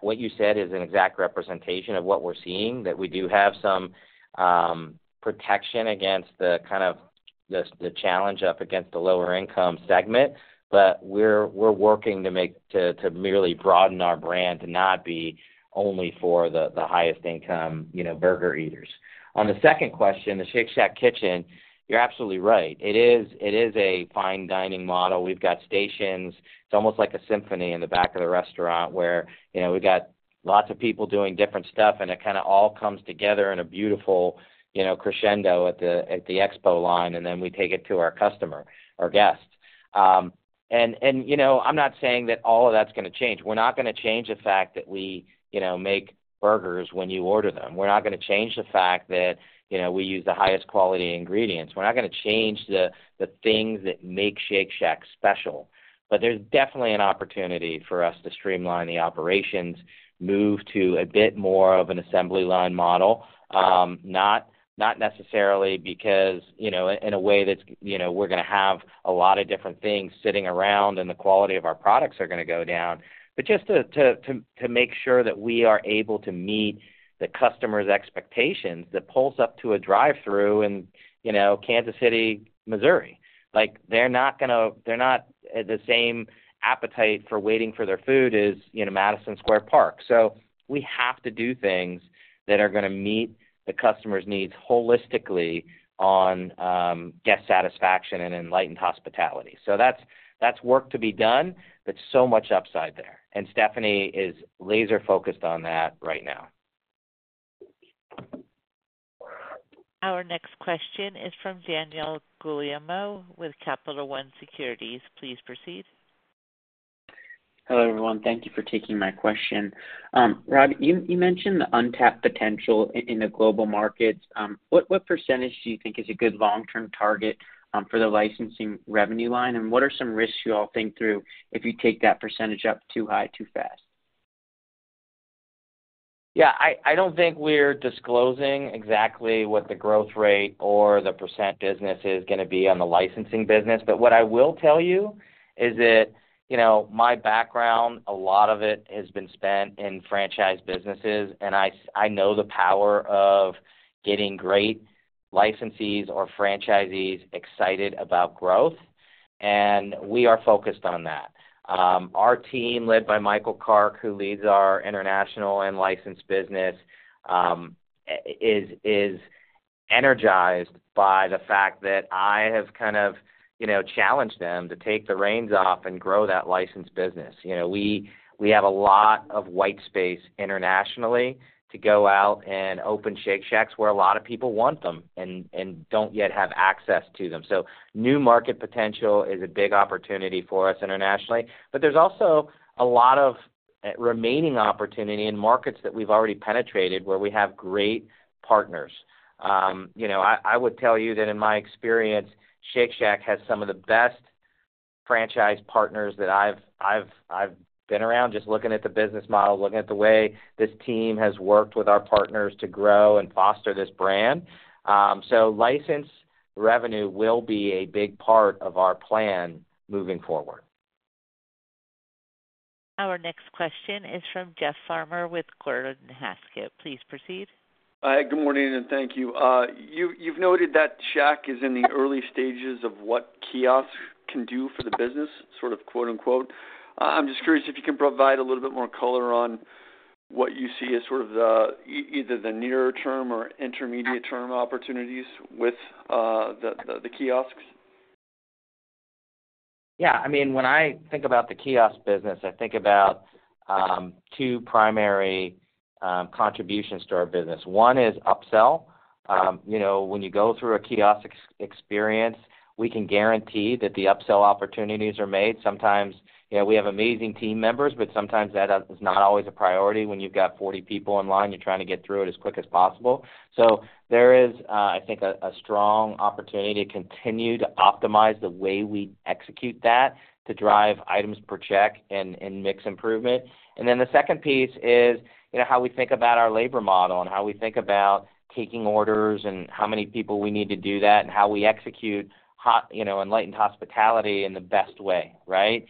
What you said is an exact representation of what we're seeing, that we do have some protection against the kind of challenge up against the lower-income segment. But we're working to merely broaden our brand to not be only for the highest-income burger eaters. On the second question, the Shake Shack kitchen, you're absolutely right. It is a fine dining model. We've got stations. It's almost like a symphony in the back of the restaurant where we've got lots of people doing different stuff, and it kind of all comes together in a beautiful crescendo at the expo line, and then we take it to our customer, our guests. And I'm not saying that all of that's going to change. We're not going to change the fact that we make burgers when you order them. We're not going to change the fact that we use the highest quality ingredients. We're not going to change the things that make Shake Shack special. But there's definitely an opportunity for us to streamline the operations, move to a bit more of an assembly line model, not necessarily because in a way that we're going to have a lot of different things sitting around and the quality of our products are going to go down, but just to make sure that we are able to meet the customer's expectations that pulls up to a drive-through in Kansas City, Missouri. They're not going to. They're not at the same appetite for waiting for their food as Madison Square Park. So we have to do things that are going to meet the customer's needs holistically on guest satisfaction and Enlightened Hospitality. So that's work to be done, but so much upside there. And Stephanie is laser-focused on that right now. Our next question is from Danielle Guglielmo with Capital One Securities. Please proceed. Hello, everyone. Thank you for taking my question. Rob, you mentioned the untapped potential in the global markets. What percentage do you think is a good long-term target for the licensing revenue line? And what are some risks you all think through if you take that percentage up too high, too fast? Yeah. I don't think we're disclosing exactly what the growth rate or the percent business is going to be on the licensing business. But what I will tell you is that my background, a lot of it has been spent in franchise businesses, and I know the power of getting great licensees or franchisees excited about growth. We are focused on that. Our team, led by Michael Kark, who leads our international and licensed business, is energized by the fact that I have kind of challenged them to take the reins off and grow that licensed business. We have a lot of white space internationally to go out and open Shake Shacks where a lot of people want them and don't yet have access to them. New market potential is a big opportunity for us internationally. But there's also a lot of remaining opportunity in markets that we've already penetrated where we have great partners. I would tell you that in my experience, Shake Shack has some of the best franchise partners that I've been around, just looking at the business model, looking at the way this team has worked with our partners to grow and foster this brand. So licensed revenue will be a big part of our plan moving forward. Our next question is from Jeff Farmer with Gordon Haskett. Please proceed. Good morning and thank you. You've noted that Shack is in the early stages of what kiosks can do for the business, sort of quote-unquote. I'm just curious if you can provide a little bit more color on what you see as sort of either the near-term or intermediate-term opportunities with the kiosks. Yeah. I mean, when I think about the kiosk business, I think about two primary contributions to our business. One is upsell. When you go through a kiosk experience, we can guarantee that the upsell opportunities are made. Sometimes we have amazing team members, but sometimes that is not always a priority when you've got 40 people in line. You're trying to get through it as quick as possible. So there is, I think, a strong opportunity to continue to optimize the way we execute that to drive items per check and mix improvement. And then the second piece is how we think about our labor model and how we think about taking orders and how many people we need to do that and how we execute Enlightened Hospitality in the best way, right?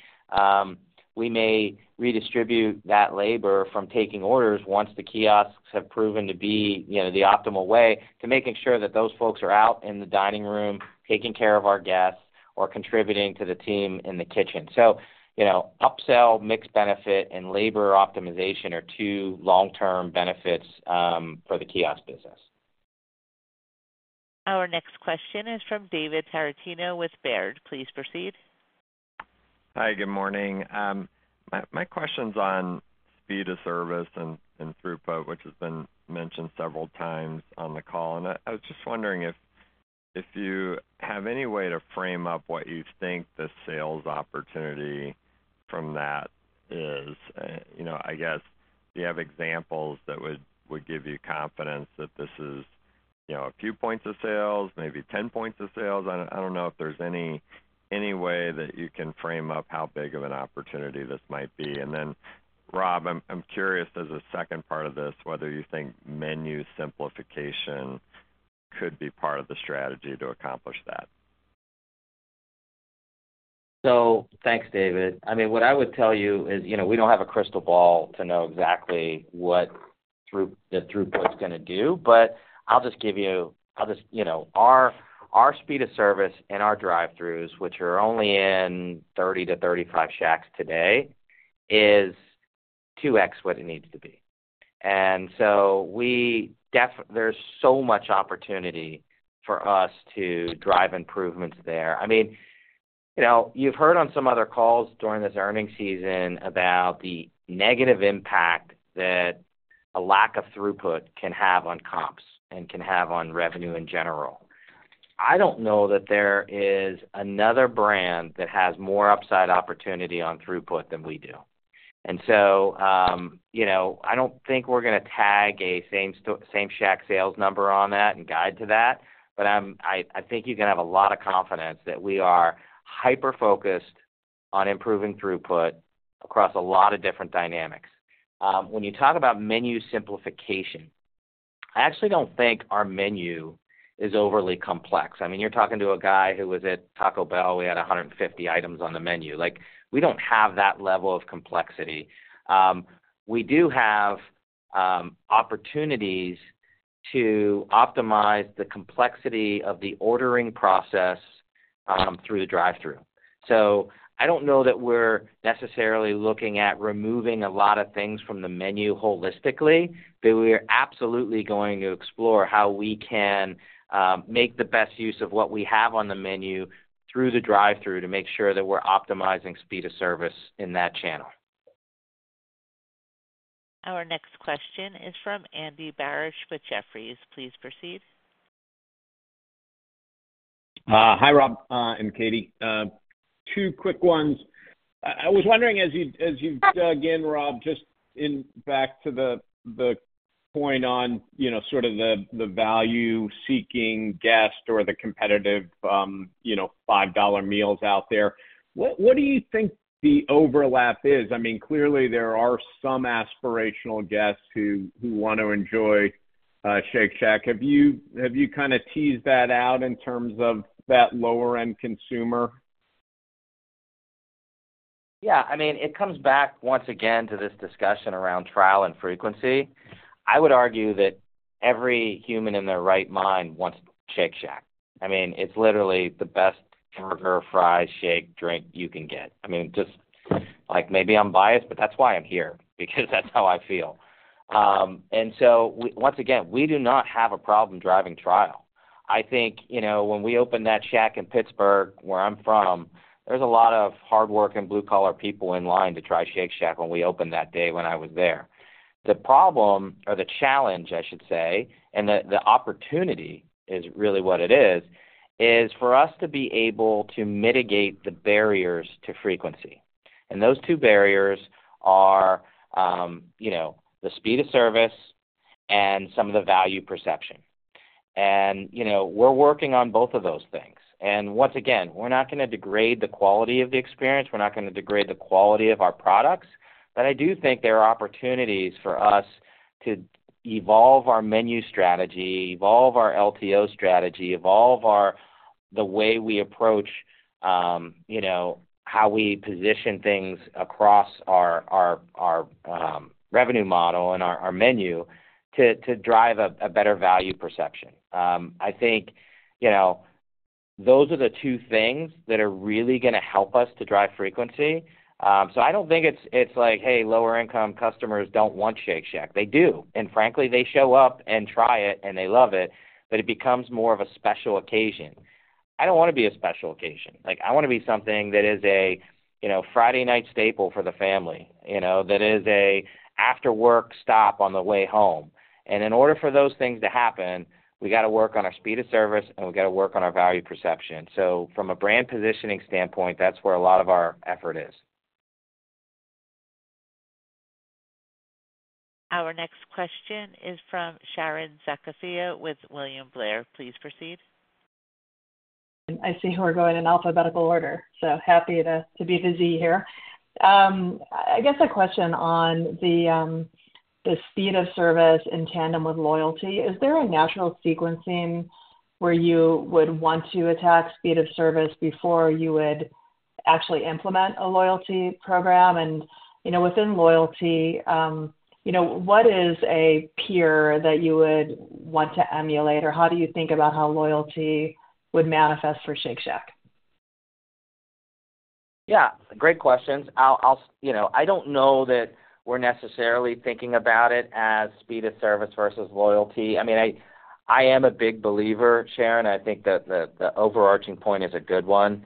We may redistribute that labor from taking orders once the kiosks have proven to be the optimal way to making sure that those folks are out in the dining room taking care of our guests or contributing to the team in the kitchen. So upsell, mix benefit, and labor optimization are two long-term benefits for the kiosk business. Our next question is from David Tarantino with Baird. Please proceed. Hi. Good morning. My question's on speed of service and throughput, which has been mentioned several times on the call. I was just wondering if you have any way to frame up what you think the sales opportunity from that is. I guess do you have examples that would give you confidence that this is a few points of sales, maybe 10 points of sales? I don't know if there's any way that you can frame up how big of an opportunity this might be. Then, Rob, I'm curious as a second part of this whether you think menu simplification could be part of the strategy to accomplish that. So thanks, David. I mean, what I would tell you is we don't have a crystal ball to know exactly what the throughput's going to do. But I'll just give you our speed of service and our drive-throughs, which are only in 30-35 Shacks today, is 2x what it needs to be. So there's so much opportunity for us to drive improvements there. I mean, you've heard on some other calls during this earnings season about the negative impact that a lack of throughput can have on comps and can have on revenue in general. I don't know that there is another brand that has more upside opportunity on throughput than we do. And so I don't think we're going to tag a Same-Shack Sales number on that and guide to that. But I think you can have a lot of confidence that we are hyper-focused on improving throughput across a lot of different dynamics. When you talk about menu simplification, I actually don't think our menu is overly complex. I mean, you're talking to a guy who was at Taco Bell. We had 150 items on the menu. We don't have that level of complexity. We do have opportunities to optimize the complexity of the ordering process through the drive-through. So I don't know that we're necessarily looking at removing a lot of things from the menu holistically, but we are absolutely going to explore how we can make the best use of what we have on the menu through the drive-through to make sure that we're optimizing speed of service in that channel. Our next question is from Andy Barish with Jefferies. Please proceed. Hi, Rob. Hi Katie. Two quick ones. I was wondering, as you dug in, Rob, just back to the point on sort of the value-seeking guest or the competitive $5 meals out there, what do you think the overlap is? I mean, clearly, there are some aspirational guests who want to enjoy Shake Shack. Have you kind of teased that out in terms of that lower-end consumer? Yeah. I mean, it comes back once again to this discussion around trial and frequency. I would argue that every human in their right mind wants Shake Shack. I mean, it's literally the best burger, fries, shake, drink you can get. I mean, maybe I'm biased, but that's why I'm here, because that's how I feel. So once again, we do not have a problem driving trial. I think when we opened that Shack in Pittsburgh where I'm from, there's a lot of hardworking blue-collar people in line to try Shake Shack when we opened that day when I was there. The problem or the challenge, I should say, and the opportunity is really what it is, is for us to be able to mitigate the barriers to frequency. Those two barriers are the speed of service and some of the value perception. We're working on both of those things. Once again, we're not going to degrade the quality of the experience. We're not going to degrade the quality of our products. But I do think there are opportunities for us to evolve our menu strategy, evolve our LTO strategy, evolve the way we approach how we position things across our revenue model and our menu to drive a better value perception. I think those are the two things that are really going to help us to drive frequency. So I don't think it's like, "Hey, lower-income customers don't want Shake Shack." They do. And frankly, they show up and try it, and they love it. But it becomes more of a special occasion. I don't want to be a special occasion. I want to be something that is a Friday night staple for the family, that is an after-work stop on the way home. In order for those things to happen, we got to work on our speed of service, and we got to work on our value perception. From a brand positioning standpoint, that's where a lot of our effort is. Our next question is from Sharon Zackfia with William Blair. Please proceed. I see we're going in alphabetical order, so happy to be busy here. I guess a question on the speed of service in tandem with loyalty. Is there a natural sequencing where you would want to attack speed of service before you would actually implement a loyalty program? And within loyalty, what is a peer that you would want to emulate, or how do you think about how loyalty would manifest for Shake Shack? Yeah. Great questions. I don't know that we're necessarily thinking about it as speed of service versus loyalty. I mean, I am a big believer, Sharon. I think that the overarching point is a good one.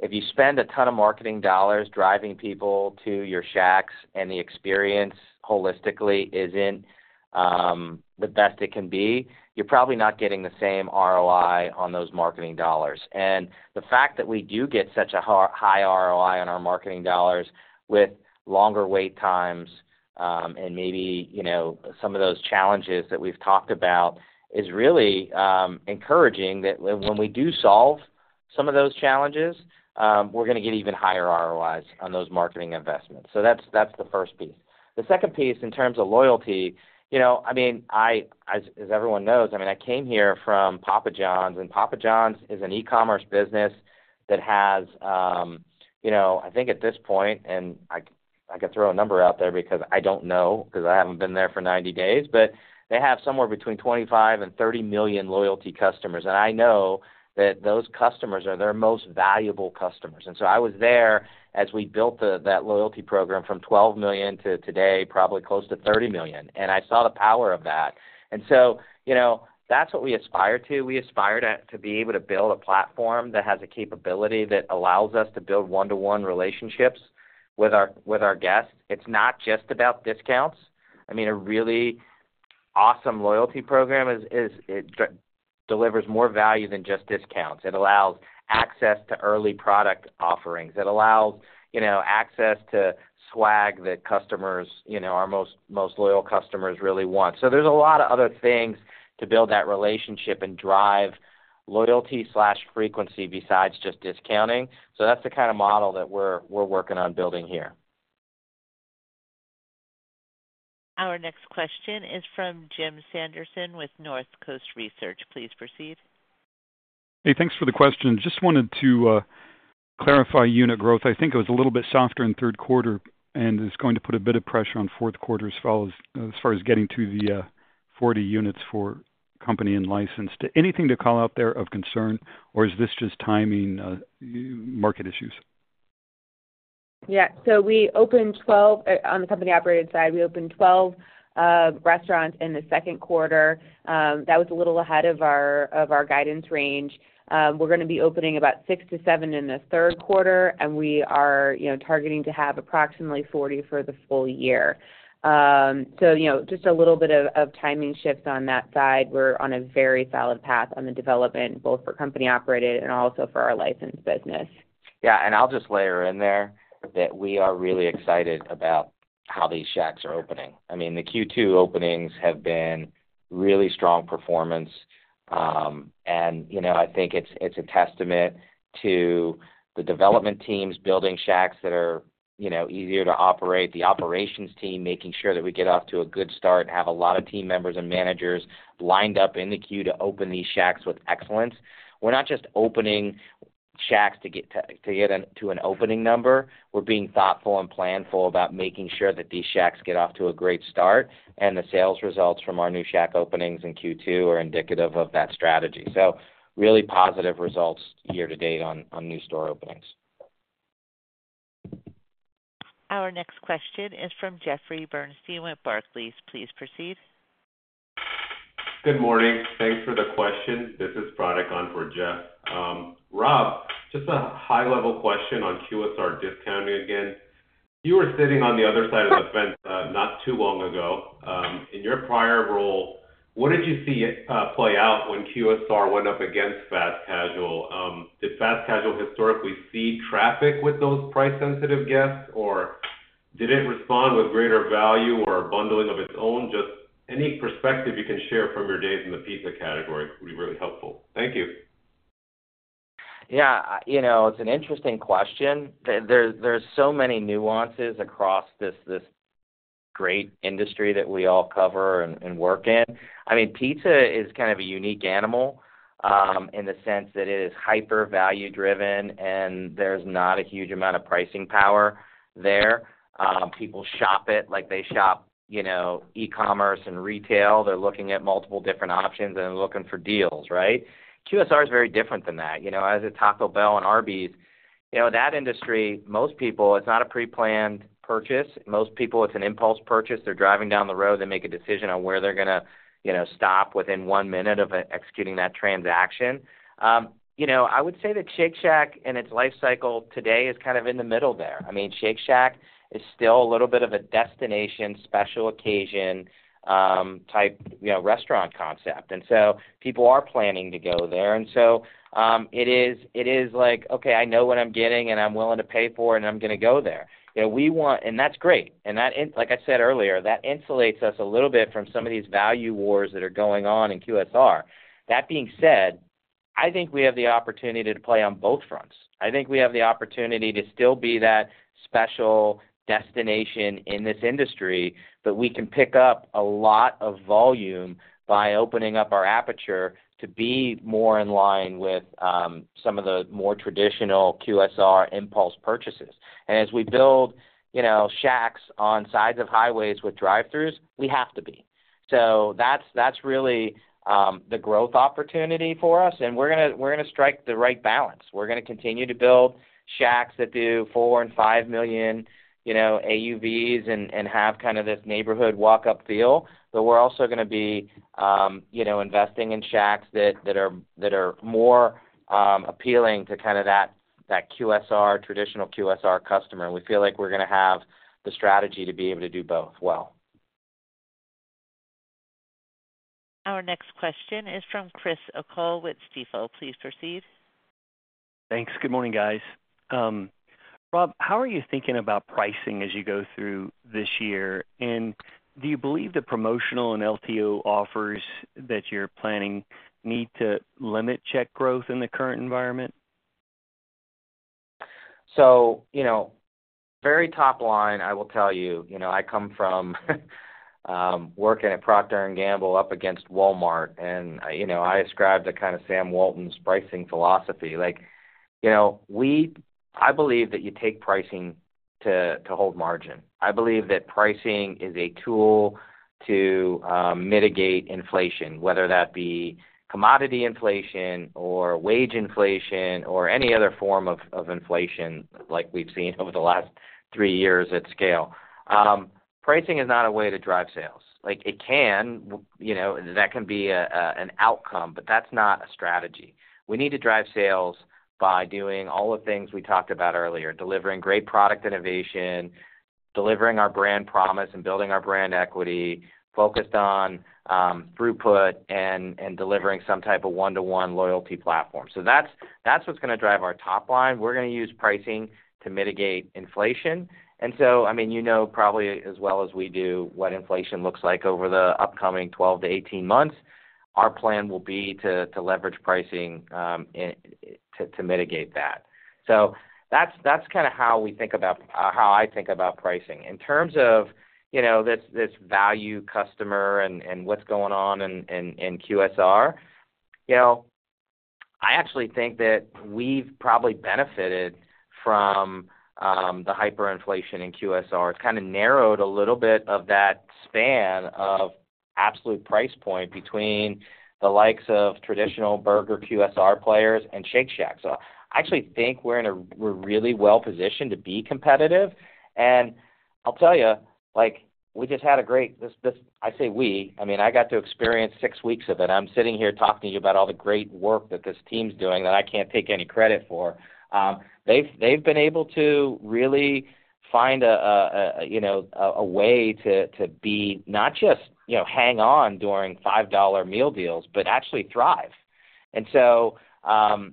If you spend a ton of marketing dollars driving people to your Shacks and the experience holistically isn't the best it can be, you're probably not getting the same ROI on those marketing dollars. And the fact that we do get such a high ROI on our marketing dollars with longer wait times and maybe some of those challenges that we've talked about is really encouraging that when we do solve some of those challenges, we're going to get even higher ROIs on those marketing investments. So that's the first piece. The second piece in terms of loyalty, I mean, as everyone knows, I mean, I came here from Papa John's, and Papa John's is an e-commerce business that has, I think at this point, and I could throw a number out there because I don't know because I haven't been there for 90 days, but they have somewhere between 25 and 30 million loyalty customers. And I know that those customers are their most valuable customers. And so I was there as we built that loyalty program from 12 million to today, probably close to 30 million. And I saw the power of that. And so that's what we aspire to. We aspire to be able to build a platform that has a capability that allows us to build one-to-one relationships with our guests. It's not just about discounts. I mean, a really awesome loyalty program delivers more value than just discounts. It allows access to early product offerings. It allows access to swag that customers, our most loyal customers, really want. So there's a lot of other things to build that relationship and drive loyalty frequency besides just discounting. So that's the kind of model that we're working on building here. Our next question is from Jim Sanderson with North Coast Research. Please proceed. Hey, thanks for the question. Just wanted to clarify unit growth. I think it was a little bit softer in third quarter and is going to put a bit of pressure on fourth quarter as far as getting to the 40 units for company and license. Anything to call out there of concern, or is this just timing market issues? Yeah. So we opened 12 on the company-operated side. We opened 12 restaurants in the second quarter. That was a little ahead of our guidance range. We're going to be opening about 6-7 in the third quarter, and we are targeting to have approximately 40 for the full year. So just a little bit of timing shifts on that side. We're on a very solid path on the development, both for company-operated and also for our licensed business. Yeah. And I'll just layer in there that we are really excited about how these Shacks are opening. I mean, the Q2 openings have been really strong performance. And I think it's a testament to the development teams building Shacks that are easier to operate, the operations team making sure that we get off to a good start and have a lot of team members and managers lined up in the queue to open these Shacks with excellence. We're not just opening Shacks to get to an opening number. We're being thoughtful and planful about making sure that these Shacks get off to a great start. The sales results from our new Shack openings in Q2 are indicative of that strategy. Really positive results year to date on new store openings. Our next question is from Jeffrey Bernstein with Barclays. Please proceed. Good morning. Thanks for the question. This is Pratik Patel for Jeff. Rob, just a high-level question on QSR discounting again. You were sitting on the other side of the fence not too long ago. In your prior role, what did you see play out when QSR went up against fast casual? Did fast casual historically see traffic with those price-sensitive guests, or did it respond with greater value or a bundling of its own? Just any perspective you can share from your days in the pizza category would be really helpful. Thank you. Yeah. It's an interesting question. There's so many nuances across this great industry that we all cover and work in. I mean, pizza is kind of a unique animal in the sense that it is hyper-value-driven, and there's not a huge amount of pricing power there. People shop it like they shop e-commerce and retail. They're looking at multiple different options, and they're looking for deals, right? QSR is very different than that. As a Taco Bell and Arby's, that industry, most people, it's not a pre-planned purchase. Most people, it's an impulse purchase. They're driving down the road. They make a decision on where they're going to stop within one minute of executing that transaction. I would say that Shake Shack and its life cycle today is kind of in the middle there. I mean, Shake Shack is still a little bit of a destination special occasion type restaurant concept. And so people are planning to go there. And so it is like, "Okay, I know what I'm getting, and I'm willing to pay for it, and I'm going to go there." And that's great. And like I said earlier, that insulates us a little bit from some of these value wars that are going on in QSR. That being said, I think we have the opportunity to play on both fronts. I think we have the opportunity to still be that special destination in this industry, but we can pick up a lot of volume by opening up our aperture to be more in line with some of the more traditional QSR impulse purchases. And as we build Shacks on sides of highways with drive-throughs, we have to be. So that's really the growth opportunity for us. We're going to strike the right balance. We're going to continue to build Shacks that do $4 million and $5 million AUVs and have kind of this neighborhood walk-up feel. But we're also going to be investing in Shacks that are more appealing to kind of that traditional QSR customer. And we feel like we're going to have the strategy to be able to do both well. Our next question is from Chris O'Cull with Stifel. Please proceed. Thanks. Good morning, guys. Rob, how are you thinking about pricing as you go through this year? And do you believe the promotional and LTO offers that you're planning need to limit check growth in the current environment? So very top line, I will tell you, I come from working at Procter & Gamble up against Walmart, and I ascribe to kind of Sam Walton's pricing philosophy. I believe that you take pricing to hold margin. I believe that pricing is a tool to mitigate inflation, whether that be commodity inflation or wage inflation or any other form of inflation like we've seen over the last three years at scale. Pricing is not a way to drive sales. It can. That can be an outcome, but that's not a strategy. We need to drive sales by doing all the things we talked about earlier, delivering great product innovation, delivering our brand promise and building our brand equity, focused on throughput and delivering some type of one-to-one loyalty platform. So that's what's going to drive our top line. We're going to use pricing to mitigate inflation. So, I mean, you know probably as well as we do what inflation looks like over the upcoming 12-18 months. Our plan will be to leverage pricing to mitigate that. So that's kind of how we think about how I think about pricing. In terms of this value customer and what's going on in QSR, I actually think that we've probably benefited from the hyperinflation in QSR. It's kind of narrowed a little bit of that span of absolute price point between the likes of traditional burger QSR players and Shake Shack. So I actually think we're really well positioned to be competitive. And I'll tell you, we just had a great—I say we. I mean, I got to experience six weeks of it. I'm sitting here talking to you about all the great work that this team's doing that I can't take any credit for. They've been able to really find a way to be not just hang on during $5 meal deals, but actually thrive. So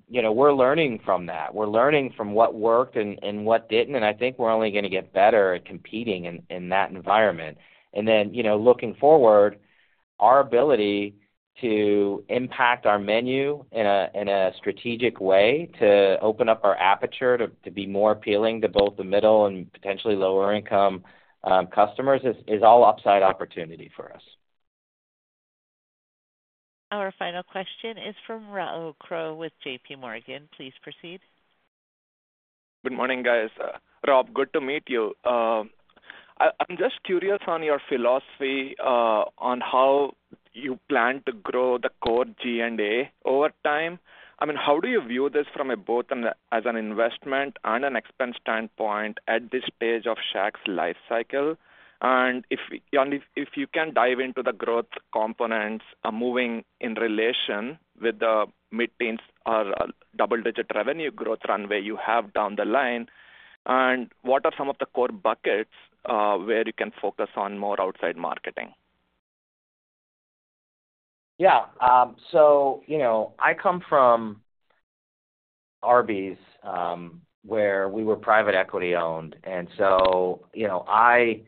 we're learning from that. We're learning from what worked and what didn't. I think we're only going to get better at competing in that environment. Then looking forward, our ability to impact our menu in a strategic way to open up our aperture to be more appealing to both the middle and potentially lower-income customers is all upside opportunity for us. Our final question is from Rahul Krotthapalli with J.P. Morgan. Please proceed. Good morning, guys. Rob, good to meet you. I'm just curious on your philosophy on how you plan to grow the core G&A over time. I mean, how do you view this from both as an investment and an expense standpoint at this stage of Shack's life cycle? And if you can dive into the growth components moving in relation with the mid-teens or double-digit revenue growth runway you have down the line, and what are some of the core buckets where you can focus on more outside marketing? Yeah. So I come from Arby's where we were private equity owned. And so I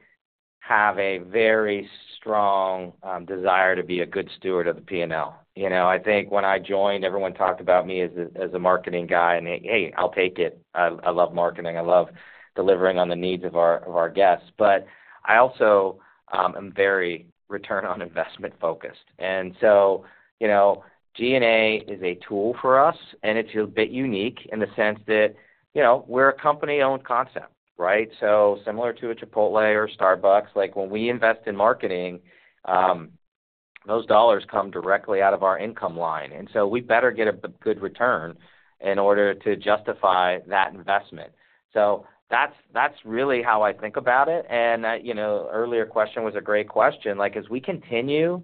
have a very strong desire to be a good steward of the P&L. I think when I joined, everyone talked about me as a marketing guy and, "Hey, I'll take it. I love marketing. I love delivering on the needs of our guests." But I also am very return on investment focused. And so G&A is a tool for us, and it's a bit unique in the sense that we're a company-owned concept, right? So similar to a Chipotle or Starbucks, when we invest in marketing, those dollars come directly out of our income line. And so we better get a good return in order to justify that investment. So that's really how I think about it. And earlier question was a great question. As we continue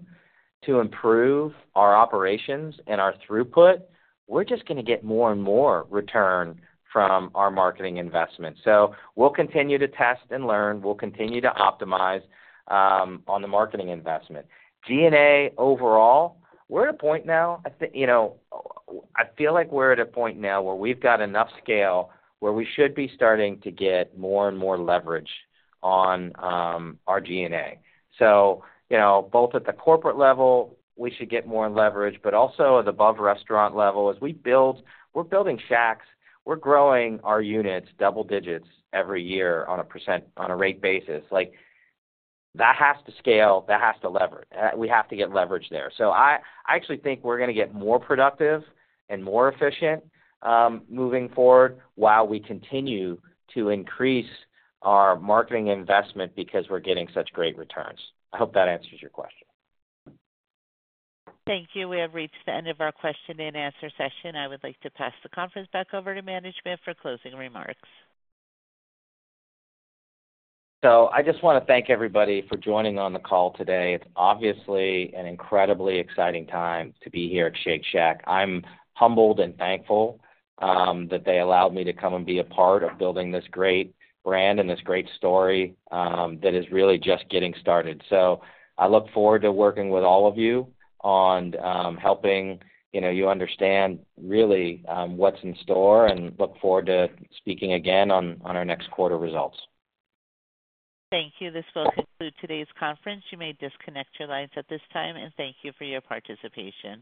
to improve our operations and our throughput, we're just going to get more and more return from our marketing investment. So we'll continue to test and learn. We'll continue to optimize on the marketing investment. G&A overall, we're at a point now. I feel like we're at a point now where we've got enough scale where we should be starting to get more and more leverage on our G&A. So both at the corporate level, we should get more leverage, but also at the above restaurant level. As we build, we're building Shacks. We're growing our units double digits every year on a rate basis. That has to scale. That has to leverage. We have to get leverage there. So I actually think we're going to get more productive and more efficient moving forward while we continue to increase our marketing investment because we're getting such great returns. I hope that answers your question. Thank you. We have reached the end of our question and answer session. I would like to pass the conference back over to management for closing remarks. So I just want to thank everybody for joining on the call today. It's obviously an incredibly exciting time to be here at Shake Shack. I'm humbled and thankful that they allowed me to come and be a part of building this great brand and this great story that is really just getting started. I look forward to working with all of you on helping you understand really what's in store and look forward to speaking again on our next quarter results. Thank you. This will conclude today's conference. You may disconnect your lines at this time, and thank you for your participation.